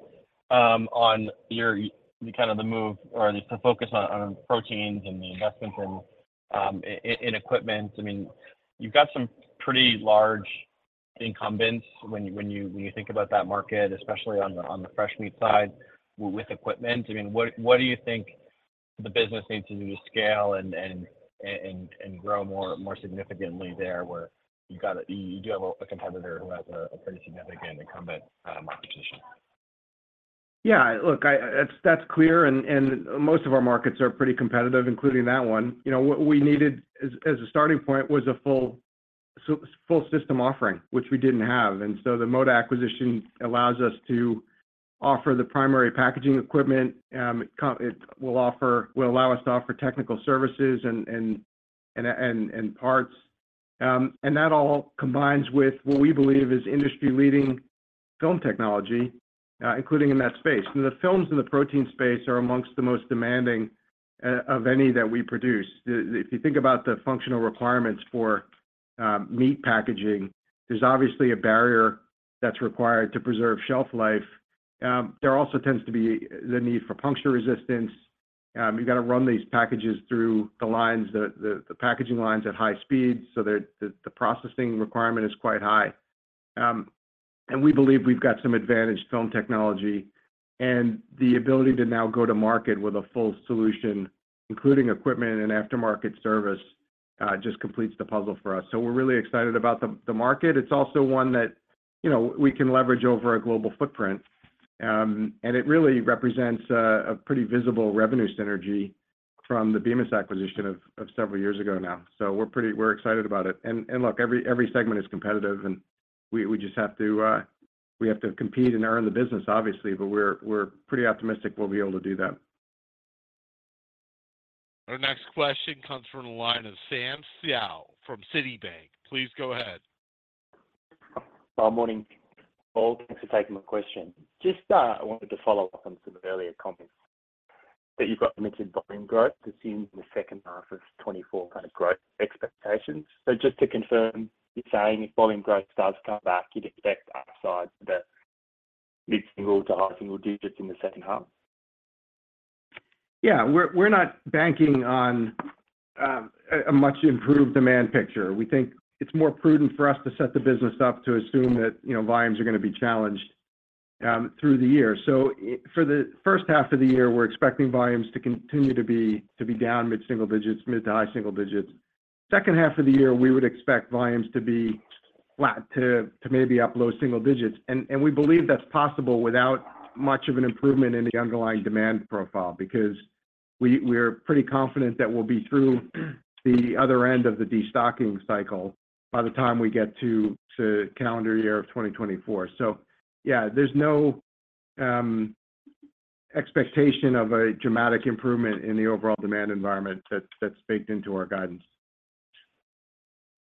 on your the kind of the move or the focus on, on proteins and the investments in, in, in equipment. I mean, you've got some pretty large incumbents when you, when you, when you think about that market, especially on the, on the fresh meat side with equipment. I mean, what, what do you think the business needs to do to scale and, and, and, and grow more, more significantly there, where you do have a competitor who has a pretty significant incumbent market position? Yeah, look, I... That's clear, and, and most of our markets are pretty competitive, including that one. You know, what we needed as, as a starting point was a full, full system offering, which we didn't have. So the Moda acquisition allows us to offer the primary packaging equipment, it will allow us to offer technical services and parts. That all combines with what we believe is industry-leading film technology, including in that space. The films in the protein space are amongst the most demanding of any that we produce. If you think about the functional requirements for meat packaging, there's obviously a barrier that's required to preserve shelf life. There also tends to be the need for puncture resistance. You've got to run these packages through the lines, the, the, the packaging lines at high speed, so the, the processing requirement is quite high. We believe we've got some advantage film technology and the ability to now go to market with a full solution, including equipment and aftermarket service, just completes the puzzle for us. We're really excited about the, the market. It's also one that, you know, we can leverage over a global footprint, and it really represents a pretty visible revenue synergy from the Bemis acquisition of several years ago now. We're excited about it. Look, every, every segment is competitive, and we just have to compete and earn the business, obviously, but we're pretty optimistic we'll be able to do that. Our next question comes from the line of Samuel Seow from Citi. Please go ahead. Morning, Paul. Thanks for taking my question. Just, I wanted to follow up on some earlier comments that you've got mentioned volume growth to see in the second half of 2024 kind of growth expectations. Just to confirm, you're saying if volume growth does come back, you'd expect upside that mid-single to high single digits in the second half? Yeah. We're, we're not banking on a much improved demand picture. We think it's more prudent for us to set the business up to assume that, you know, volumes are going to be challenged through the year. For the first half of the year, we're expecting volumes to continue to be down mid-single digits, mid to high single digits. Second half of the year, we would expect volumes to be flat, to maybe up low single digits. We believe that's possible without much of an improvement in the underlying demand profile, because we, we're pretty confident that we'll be through the other end of the destocking cycle by the time we get to calendar year of 2024. Yeah, there's no expectation of a dramatic improvement in the overall demand environment that's baked into our guidance.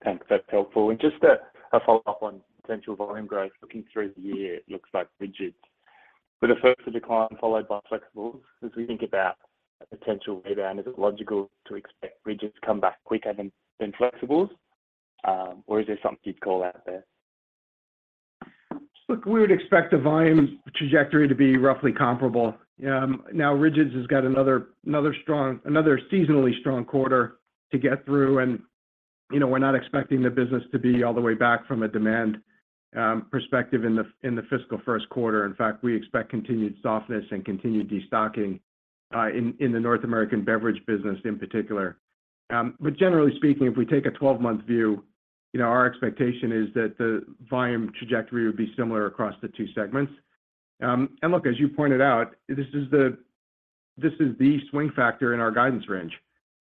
Thanks. That's helpful. Just a, a follow-up on potential volume growth. Looking through the year, it looks like Rigids were the first to decline, followed by Flexibles. As we think about a potential way down, is it logical to expect Rigids to come back quicker than, than Flexibles, or is there something you'd call out there? Look, we would expect the volume trajectory to be roughly comparable. Now, Rigids has got another, another strong-- another seasonally strong quarter to get through, and, you know, we're not expecting the business to be all the way back from a demand perspective in the fiscal first quarter. In fact, we expect continued softness and continued destocking in the North American beverage business in particular. But generally speaking, if we take a 12-month view, you know, our expectation is that the volume trajectory would be similar across the two segments. Look, as you pointed out, this is the, this is the swing factor in our guidance range.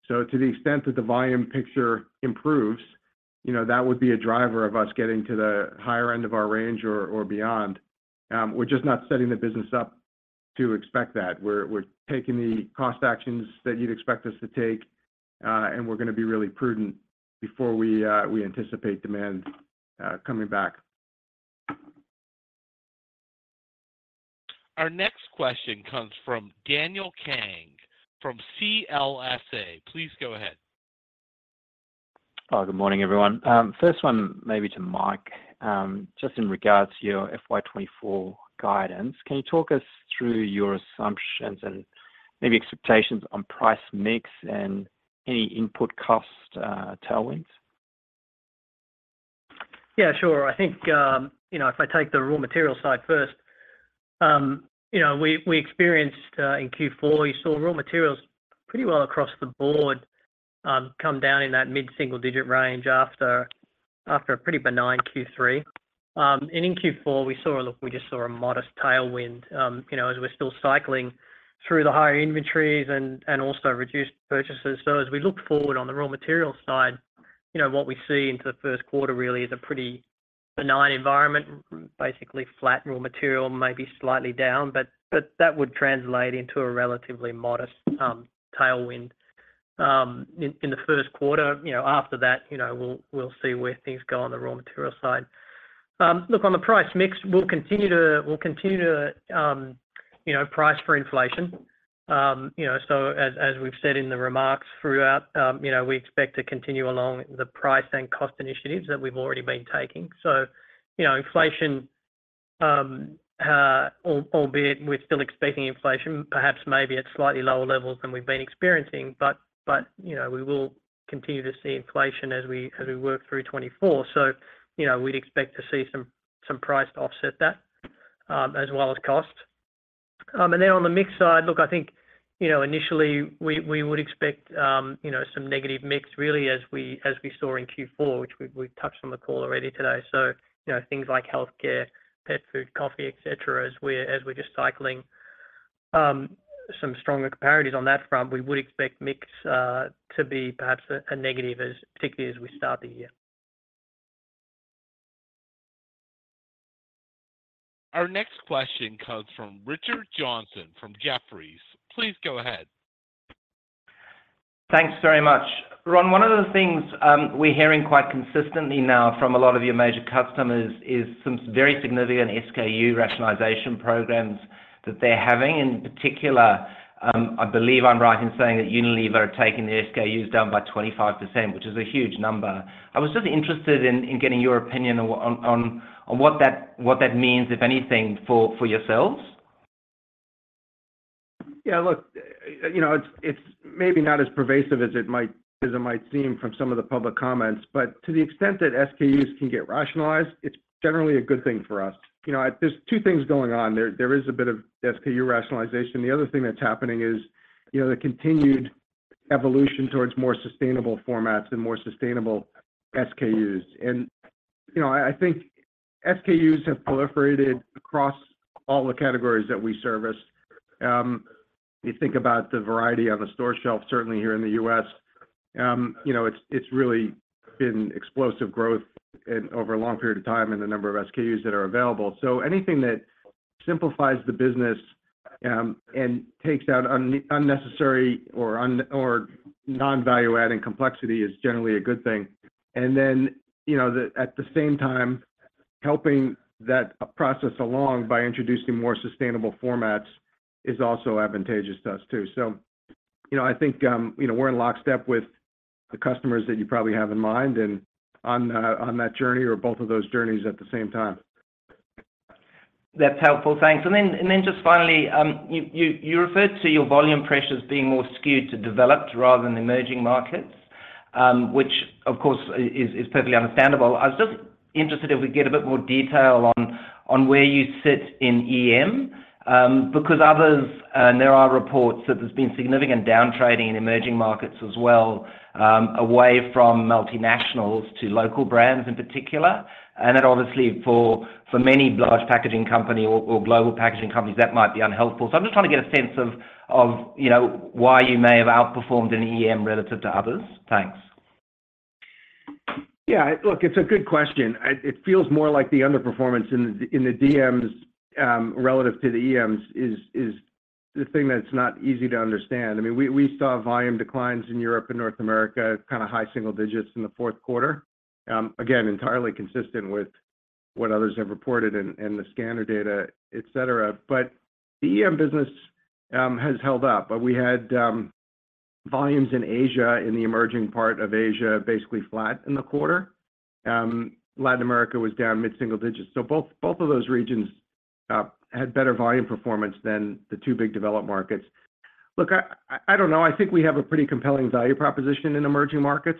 So to the extent that the volume picture improves, you know, that would be a driver of us getting to the higher end of our range or, or beyond. We're just not setting the business up to expect that. We're, we're taking the cost actions that you'd expect us to take, and we're gonna be really prudent before we anticipate demand coming back. Our next question comes from Daniel Kang from CLSA. Please go ahead. Good morning, everyone. First one maybe to Mike. Just in regards to your FY 2024 guidance, can you talk us through your assumptions and maybe expectations on price mix and any input cost tailwinds? Yeah, sure. I think, you know, if I take the raw material side first, you know, we, we experienced in Q4, you saw raw materials pretty well across the board, come down in that mid-single digit range after, after a pretty benign Q3. In Q4, we just saw a modest tailwind, you know, as we're still cycling through the higher inventories and, and also reduced purchases. As we look forward on the raw material side, you know, what we see into the first quarter really is a pretty benign environment, basically flat raw material, maybe slightly down, but, but that would translate into a relatively modest tailwind in, in the first quarter. You know, after that, you know, we'll, we'll see where things go on the raw material side. Look, on the price mix, we'll continue to, we'll continue to, you know, price for inflation. You know, as, as we've said in the remarks throughout, you know, we expect to continue along the price and cost initiatives that we've already been taking. You know, inflation, albeit we're still expecting inflation, perhaps maybe at slightly lower levels than we've been experiencing, but, but, you know, we will continue to see inflation as we, as we work through 2024. You know, we'd expect to see some, some price to offset that, as well as costs. Then on the mix side, look, I think, you know, initially we, we would expect, you know, some negative mix really as we, as we saw in Q4, which we've, we've touched on the call already today. You know, things like healthcare, pet food, coffee, et cetera, as we're, as we're just cycling, some stronger comparatives on that front, we would expect mix to be perhaps a, a negative as, particularly as we start the year. Our next question comes from Richard Johnson from Jefferies. Please go ahead. Thanks very much. Ron, one of the things, we're hearing quite consistently now from a lot of your major customers is some very significant SKU rationalization programs that they're having. In particular, I believe I'm right in saying that Unilever are taking the SKUs down by 25%, which is a huge number. I was just interested in, in getting your opinion on, on, on what that, what that means, if anything, for, for yourselves. Yeah, look, you know, it's maybe not as pervasive as it might seem from some of the public comments, but to the extent that SKUs can get rationalized, it's generally a good thing for us. You know, there's two things going on there. There is a bit of SKU rationalization. The other thing that's happening is, you know, the continued evolution towards more sustainable formats and more sustainable SKUs. You know, I think SKUs have proliferated across all the categories that we service. You think about the variety on a store shelf, certainly here in the U.S., you know, it's really been explosive growth over a long period of time and the number of SKUs that are available. Anything that simplifies the business, and takes out unnecessary or non-value-adding complexity is generally a good thing. you know, at the same time, helping that process along by introducing more sustainable formats is also advantageous to us, too. You know, I think, you know, we're in lockstep with the customers that you probably have in mind and on that journey or both of those journeys at the same time. That's helpful, thanks. Then, and then just finally, you, you, you referred to your volume pressures being more skewed to developed rather than emerging markets, which of course is, is perfectly understandable. I was just interested if we could get a bit more detail on, on where you sit in EM, because others, and there are reports that there's been significant downtrading in emerging markets as well, away from multinationals to local brands in particular. Then obviously for, for many large packaging company or, or global packaging companies, that might be unhelpful. I'm just trying to get a sense of, of, you know, why you may have outperformed in EM relative to others. Thanks. Yeah, look, it's a good question. It, it feels more like the underperformance in the DMs, relative to the EMs is the thing that's not easy to understand. I mean, we, we saw volume declines in Europe and North America, kind of high single digits in the fourth quarter. again, entirely consistent with what others have reported in, in the scanner data, et cetera. The EM business has held up. we had volumes in Asia, in the emerging part of Asia, basically flat in the quarter. Latin America was down mid-single digits. Both, both of those regions had better volume performance than the 2 big developed markets. Look, I, I don't know. I think we have a pretty compelling value proposition in emerging markets,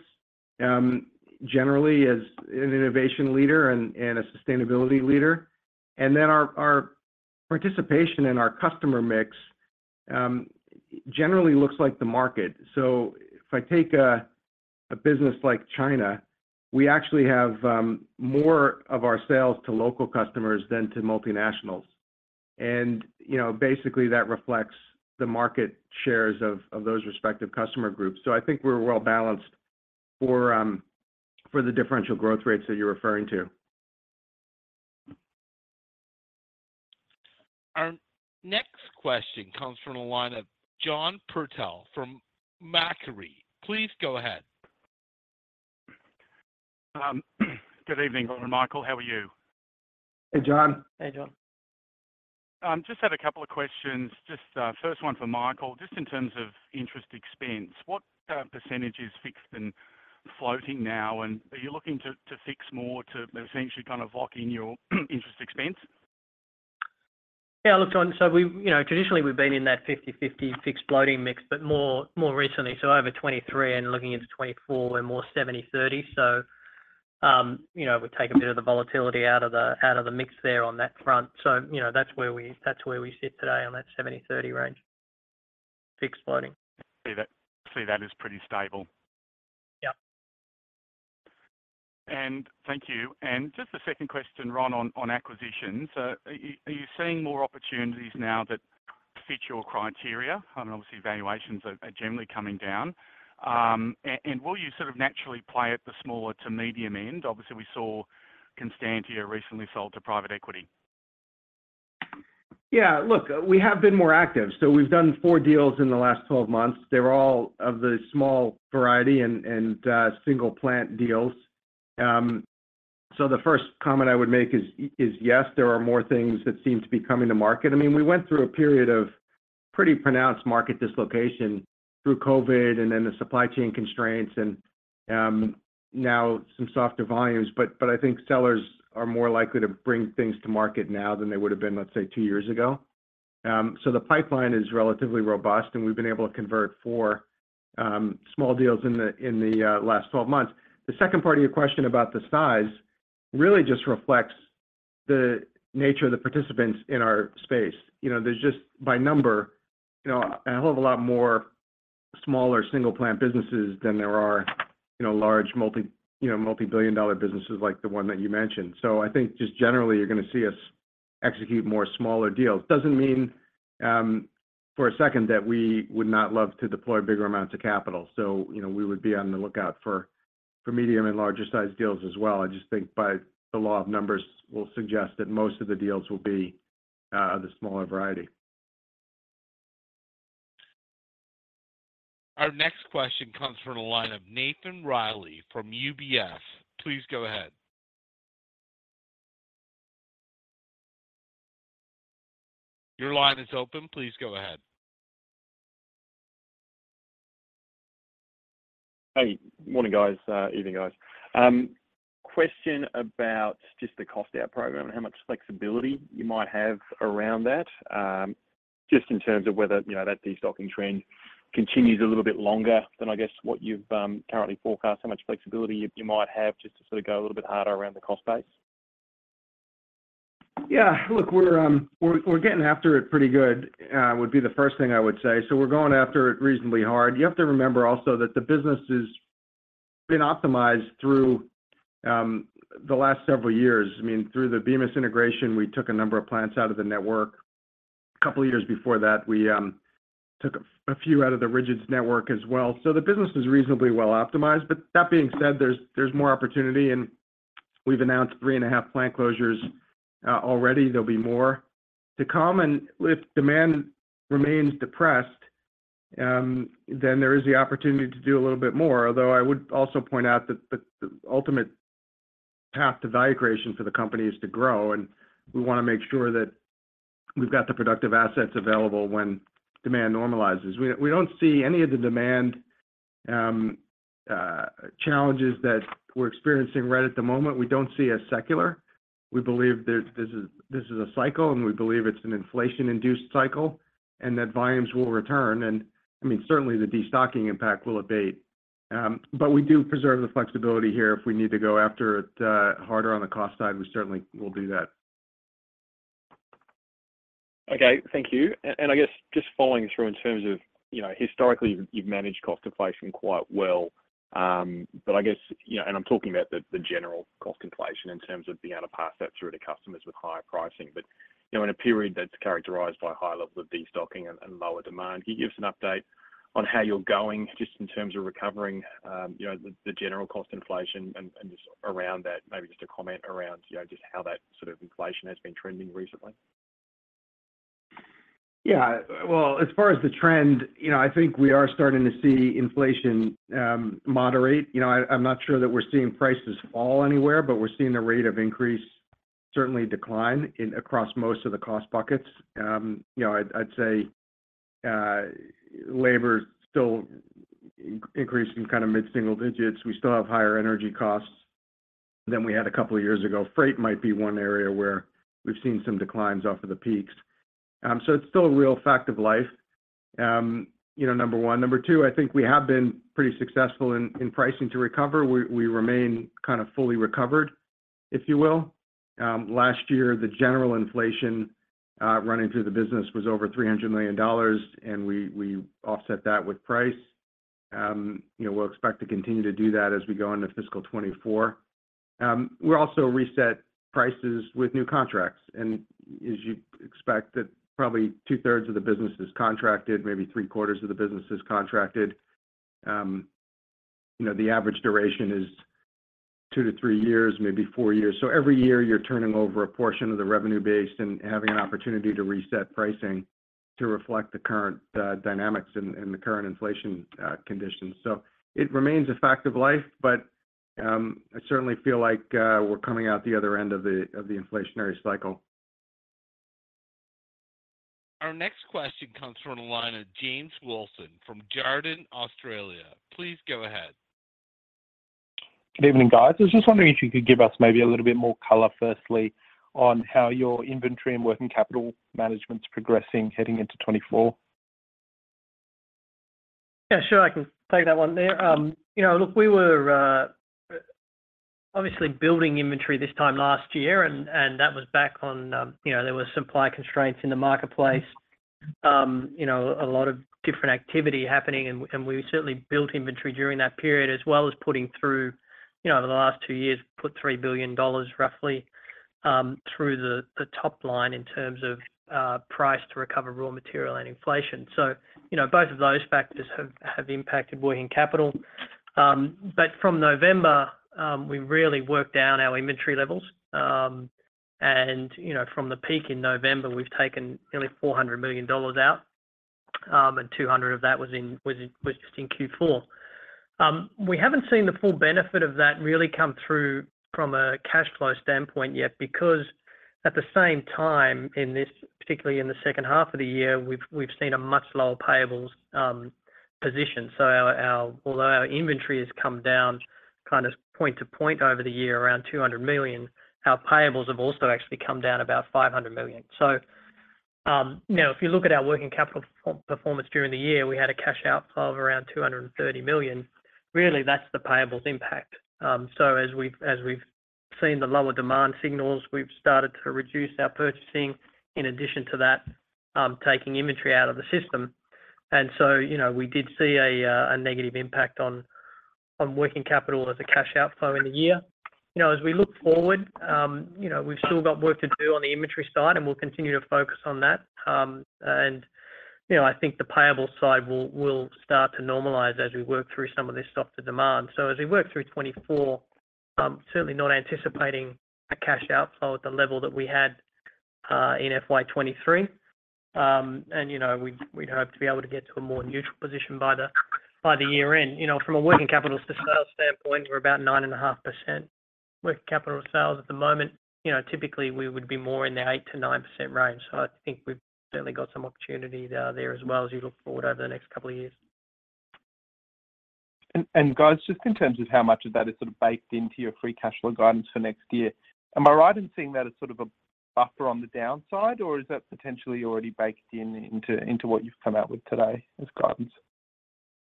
generally as an innovation leader and, and a sustainability leader. Our, our participation and our customer mix, generally looks like the market. If I take a, a business like China, we actually have, more of our sales to local customers than to multinationals. You know, basically, that reflects the market shares of, of those respective customer groups. I think we're well balanced for, for the differential growth rates that you're referring to. Our next question comes from the line of John Purtell from Macquarie. Please go ahead. Good evening, Ron and Michael, how are you? Hey, John. Hey, John. Just had a couple of questions. First one for Michael. Just in terms of interest expense, what % is fixed and floating now? Are you looking to, to fix more to essentially kind of lock in your interest expense? Yeah, look, John. We, you know, traditionally we've been in that 50/50 fixed floating mix. More, more recently, over 2023 and looking into 2024, we're more 70/30. You know, it would take a bit of the volatility out of the, out of the mix there on that front. You know, that's where we, that's where we sit today, on that 70/30 range. Fixed floating. See, see, that is pretty stable. Yep. Thank you. Just a second question, Ron, on, on acquisitions. Are you, are you seeing more opportunities now that fit your criteria? I mean, obviously, valuations are, are generally coming down. And, and will you sort of naturally play at the smaller to medium end? Obviously, we saw Constantia recently sold to private equity. Yeah, look, we have been more active, so we've done four deals in the last 12 months. They were all of the small variety and, and single-plant deals. The first comment I would make is, is, yes, there are more things that seem to be coming to market. I mean, we went through a period of pretty pronounced market dislocation through COVID and then the supply chain constraints and now some softer volumes. I think sellers are more likely to bring things to market now than they would have been, let's say, two years ago. The pipeline is relatively robust, and we've been able to convert four small deals in the, in the last 12 months. The second part of your question about the size really just reflects the nature of the participants in our space. You know, there's just, by number, you know, a hell of a lot more smaller single-plant businesses than there are, you know, large, multi-billion dollar businesses like the one that you mentioned. I think just generally, you're gonna see us execute more smaller deals. Doesn't mean for a second, that we would not love to deploy bigger amounts of capital. You know, we would be on the lookout for, for medium and larger-sized deals as well. I just think by the law of numbers will suggest that most of the deals will be the smaller variety. Our next question comes from the line of Nathan Reilly from UBS. Please go ahead. Your line is open; please go ahead. Hey, morning, guys, evening, guys. Question about just the cost out program and how much flexibility you might have around that. Just in terms of whether, you know, that destocking trend continues a little bit longer than, I guess, what you've currently forecast, how much flexibility you, you might have just to sort of go a little bit harder around the cost base? Yeah, look, we're, we're getting after it pretty good, would be the first thing I would say. We're going after it reasonably hard. You have to remember also that the business has been optimized through the last several years. I mean, through the Bemis integration, we took a number of plants out of the network. A couple of years before that, we took a few out of the rigids network as well. The business is reasonably well optimized. That being said, there's, there's more opportunity, and we've announced 3.5 plant closures already. There'll be more to come, and if demand remains depressed, then there is the opportunity to do a little bit more. Although I would also point out that the, the ultimate path to value creation for the company is to grow, and we wanna make sure that we've got the productive assets available when demand normalizes. We, we don't see any of the demand challenges that we're experiencing right at the moment, we don't see as secular. We believe this, this is, this is a cycle, and we believe it's an inflation-induced cycle, and that volumes will return. I mean, certainly the destocking impact will abate. But we do preserve the flexibility here. If we need to go after it, harder on the cost side, we certainly will do that. Okay, thank you. I guess just following through in terms of, you know, historically, you've managed cost inflation quite well. I guess, you know, and I'm talking about the, the general cost inflation in terms of being able to pass that through to customers with higher pricing. You know, in a period that's characterized by high levels of destocking and, and lower demand, can you give us an update on how you're going, just in terms of recovering, you know, the, the general cost inflation and, and just around that, maybe just a comment around, you know, just how that sort of inflation has been trending recently? Yeah, well, as far as the trend, you know, I think we are starting to see inflation, moderate. You know, I, I'm not sure that we're seeing prices fall anywhere, but we're seeing the rate of increase certainly decline across most of the cost buckets. You know, I'd say, labor's still increasing kind of mid-single digits. We still have higher energy costs than we had a couple of years ago. Freight might be one area where we've seen some declines off of the peaks. It's still a real fact of life, you know, number one. Number two, I think we have been pretty successful in, in pricing to recover. We, we remain kind of fully recovered, if you will. Last year, the general inflation running through the business was over $300 million, and we, we offset that with price. You know, we'll expect to continue to do that as we go into fiscal 2024. We're also reset prices with new contracts, and as you'd expect that probably 2/3 of the business is contracted, maybe 3/4 of the business is contracted. You know, the average duration is 2-3 years, maybe 4 years. Every year, you're turning over a portion of the revenue base and having an opportunity to reset pricing to reflect the current dynamics and, and the current inflation conditions. It remains a fact of life, but I certainly feel like we're coming out the other end of the, of the inflationary cycle. Our next question comes from the line of James Wilson from Jarden, Australia. Please go ahead. Good evening, guys. I was just wondering if you could give us maybe a little bit more color, firstly, on how your inventory and working capital management's progressing heading into 2024? Yeah, sure. I can take that one there. you know, look, we were, obviously building inventory this time last year, and, and that was back on, you know, there were supply constraints in the marketplace. you know, a lot of different activity happening, and we, and we certainly built inventory during that period, as well as putting through, you know, over the last two years, put $3 billion roughly, through the, the top line in terms of, price to recover raw material and inflation. you know, both of those factors have, have impacted working capital. from November, we really worked down our inventory levels, and, you know, from the peak in November, we've taken nearly $400 million out, and $200 of that was just in Q4. We haven't seen the full benefit of that really come through from a cash flow standpoint yet, because at the same time, in this, particularly in the second half of the year, we've seen a much lower payables position. Although our inventory has come down kind of point to point over the year, around $200 million, our payables have also actually come down about $500 million. You know, if you look at our working capital performance during the year, we had a cash outflow of around $230 million. Really, that's the payables impact. As we've seen the lower demand signals, we've started to reduce our purchasing, in addition to that, taking inventory out of the system. You know, we did see a negative impact on, on working capital as a cash outflow in the year. You know, as we look forward, you know, we've still got work to do on the inventory side, and we'll continue to focus on that. And, you know, I think the payable side will, will start to normalize as we work through some of this softer demand. As we work through 2024, I'm certainly not anticipating a cash outflow at the level that we had in FY 2023. And, you know, we, we'd hope to be able to get to a more neutral position by the, by the year-end. You know, from a working capital sales standpoint, we're about 9.5% working capital sales at the moment. You know, typically, we would be more in the 8%-9% range, so I think we've certainly got some opportunity there, there as well as we look forward over the next couple of years. And guys, just in terms of how much of that is sort of baked into your free cash flow guidance for next year, am I right in seeing that as sort of a buffer on the downside, or is that potentially already baked in into, into what you've come out with today as guidance?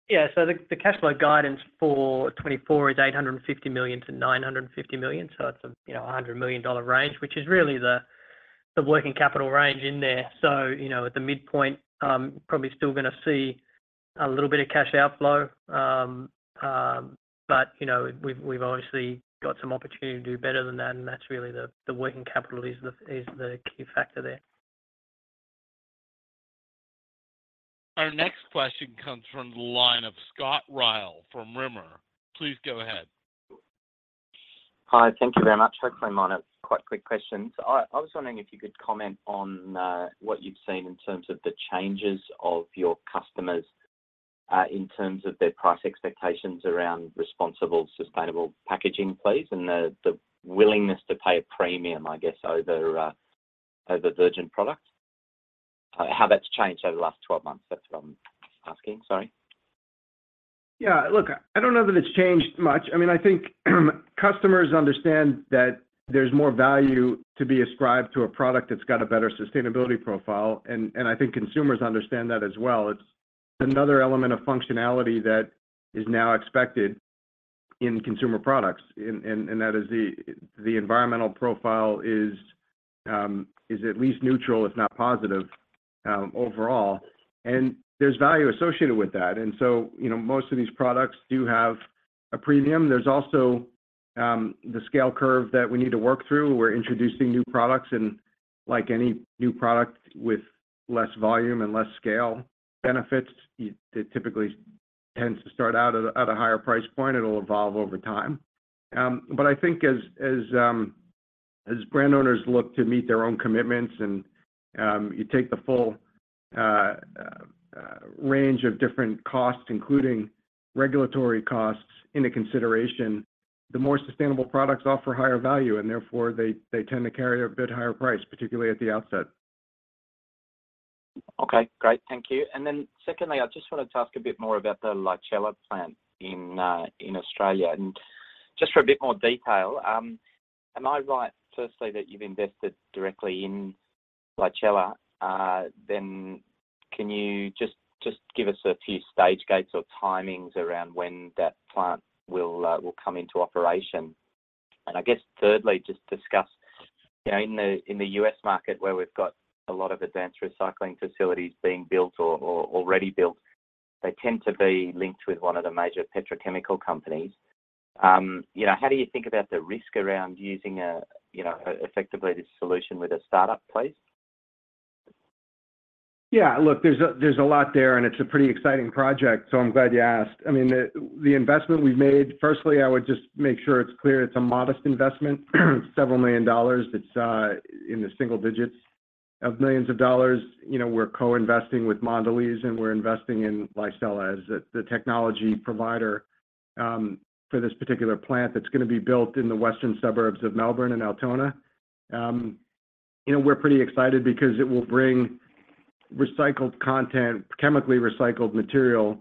Yeah, the cash flow guidance for 2024 is $850 million-$950 million, that's a, you know, $100 million range, which is really the, the working capital range in there. You know, at the midpoint, probably still gonna see a little bit of cash outflow. You know, we've, we've obviously got some opportunity to do better than that, and that's really the, the working capital is the, is the key factor there. Our next question comes from the line of Scott Ryall from Rimor. Please go ahead. Hi, thank you very much. Hopefully, mine are quite quick questions. I, I was wondering if you could comment on what you've seen in terms of the changes of your customers, in terms of their price expectations around responsible, sustainable packaging, please, and the, the willingness to pay a premium, I guess, over over virgin products. How that's changed over the last 12 months, that's what I'm asking. Sorry. Yeah, look, I don't know that it's changed much. I mean, I think customers understand that there's more value to be ascribed to a product that's got a better sustainability profile, and, and I think consumers understand that as well. It's another element of functionality that is now expected in consumer products, and, and, and that is the, the environmental profile is, is at least neutral, if not positive, overall. There's value associated with that. You know, most of these products do have a premium. There's also, the scale curve that we need to work through. We're introducing new products, and like any new product with less volume and less scale benefits, it, it typically tends to start out at a, at a higher price point. It'll evolve over time. But I think as, as. As brand owners look to meet their own commitments, and, you take the full range of different costs, including regulatory costs, into consideration, the more sustainable products offer higher value, and therefore, they, they tend to carry a bit higher price, particularly at the outset. Okay, great. Thank you. Then secondly, I just wanted to ask a bit more about the Licella plant in Australia, and just for a bit more detail. Am I right, firstly, that you've invested directly in Licella? Then can you just give us a few stage gates or timings around when that plant will come into operation? I guess thirdly, just discuss, you know, in the US market, where we've got a lot of advanced recycling facilities being built or already built, they tend to be linked with one of the major petrochemical companies. You know, how do you think about the risk around using a, you know, effectively this solution with a startup, please? Yeah, look, there's a, there's a lot there, and it's a pretty exciting project, so I'm glad you asked. I mean, the, the investment we've made firstly, I would just make sure it's clear it's a modest investment, several million dollars. It's in the single digits of millions of dollars. You know, we're co-investing with Mondelēz, and we're investing in Licella as the, the technology provider for this particular plant that's going to be built in the western suburbs of Melbourne in Altona. You know, we're pretty excited because it will bring recycled content, chemically recycled material,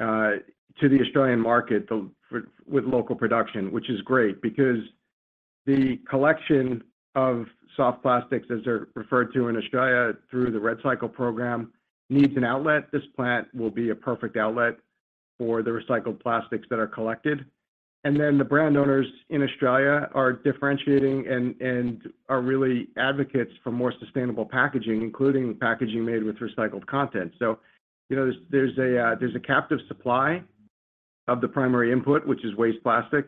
to the Australian market, with, with local production, which is great because the collection of soft plastics, as they're referred to in Australia through the REDcycle program, needs an outlet. This plant will be a perfect outlet for the recycled plastics that are collected. The brand owners in Australia are differentiating and, and are really advocates for more sustainable packaging, including packaging made with recycled content. You know, there's, there's a, there's a captive supply of the primary input, which is waste plastic,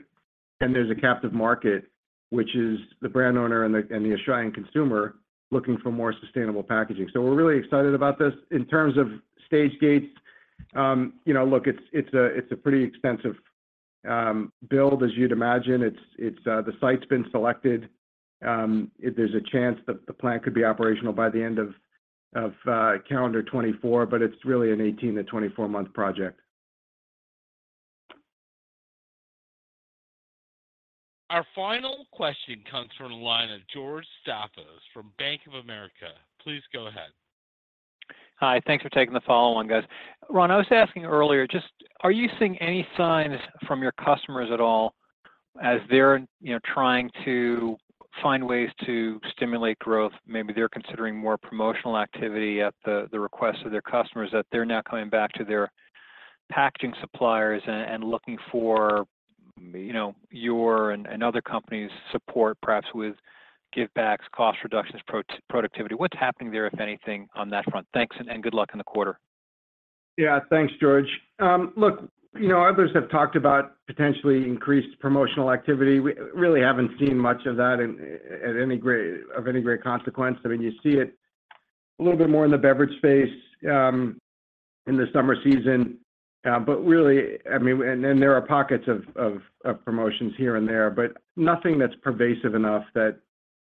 and there's a captive market, which is the brand owner and the Australian consumer looking for more sustainable packaging. We're really excited about this. In terms of stage gates, you know, look, it's, it's a, it's a pretty extensive build, as you'd imagine. It's, it's the site's been selected. There's a chance that the plant could be operational by the end of calendar 2024, but it's really an 18-24-month project. Our final question comes from the line of George Staphos from Bank of America. Please go ahead. Hi, thanks for taking the follow on, guys. Ron, I was asking earlier, just are you seeing any signs from your customers at all, as they're, you know, trying to find ways to stimulate growth? Maybe they're considering more promotional activity at the, the request of their customers, that they're now coming back to their packaging suppliers and, and looking for, you know, your and, and other companies' support, perhaps with givebacks, cost reductions, pro-productivity. What's happening there, if anything, on that front? Thanks. Good luck in the quarter. Yeah, thanks, George. Look, you know, others have talked about potentially increased promotional activity. We really haven't seen much of that at any great, of any great consequence. I mean, you see it a little bit more in the beverage space, in the summer season. But really, I mean, then there are pockets of promotions here and there, but nothing that's pervasive enough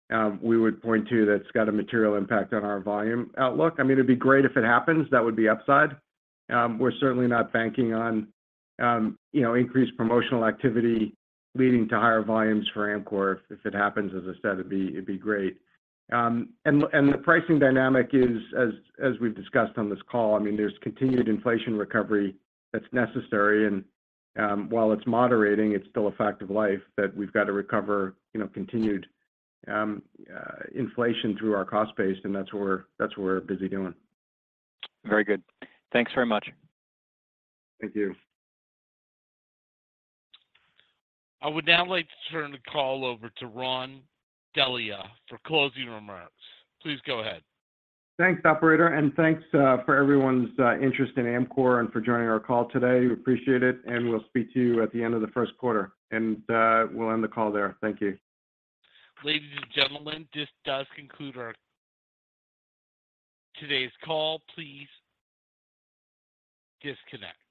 that we would point to that's got a material impact on our volume outlook. I mean, it'd be great if it happens, that would be upside. We're certainly not banking on, you know, increased promotional activity leading to higher volumes for Amcor. If, if it happens, as I said, it'd be, it'd be great. And the pricing dynamic is, as, as we've discussed on this call, I mean, there's continued inflation recovery that's necessary, and, while it's moderating, it's still a fact of life that we've got to recover, you know, continued inflation through our cost base, and that's what we're, that's what we're busy doing. Very good. Thanks very much. Thank you. I would now like to turn the call over to Ron Delia for closing remarks. Please go ahead. Thanks, operator, and thanks for everyone's interest in Amcor and for joining our call today. We appreciate it, and we'll speak to you at the end of the first quarter, and we'll end the call there. Thank you. Ladies and gentlemen, this does conclude our today's call. Please disconnect.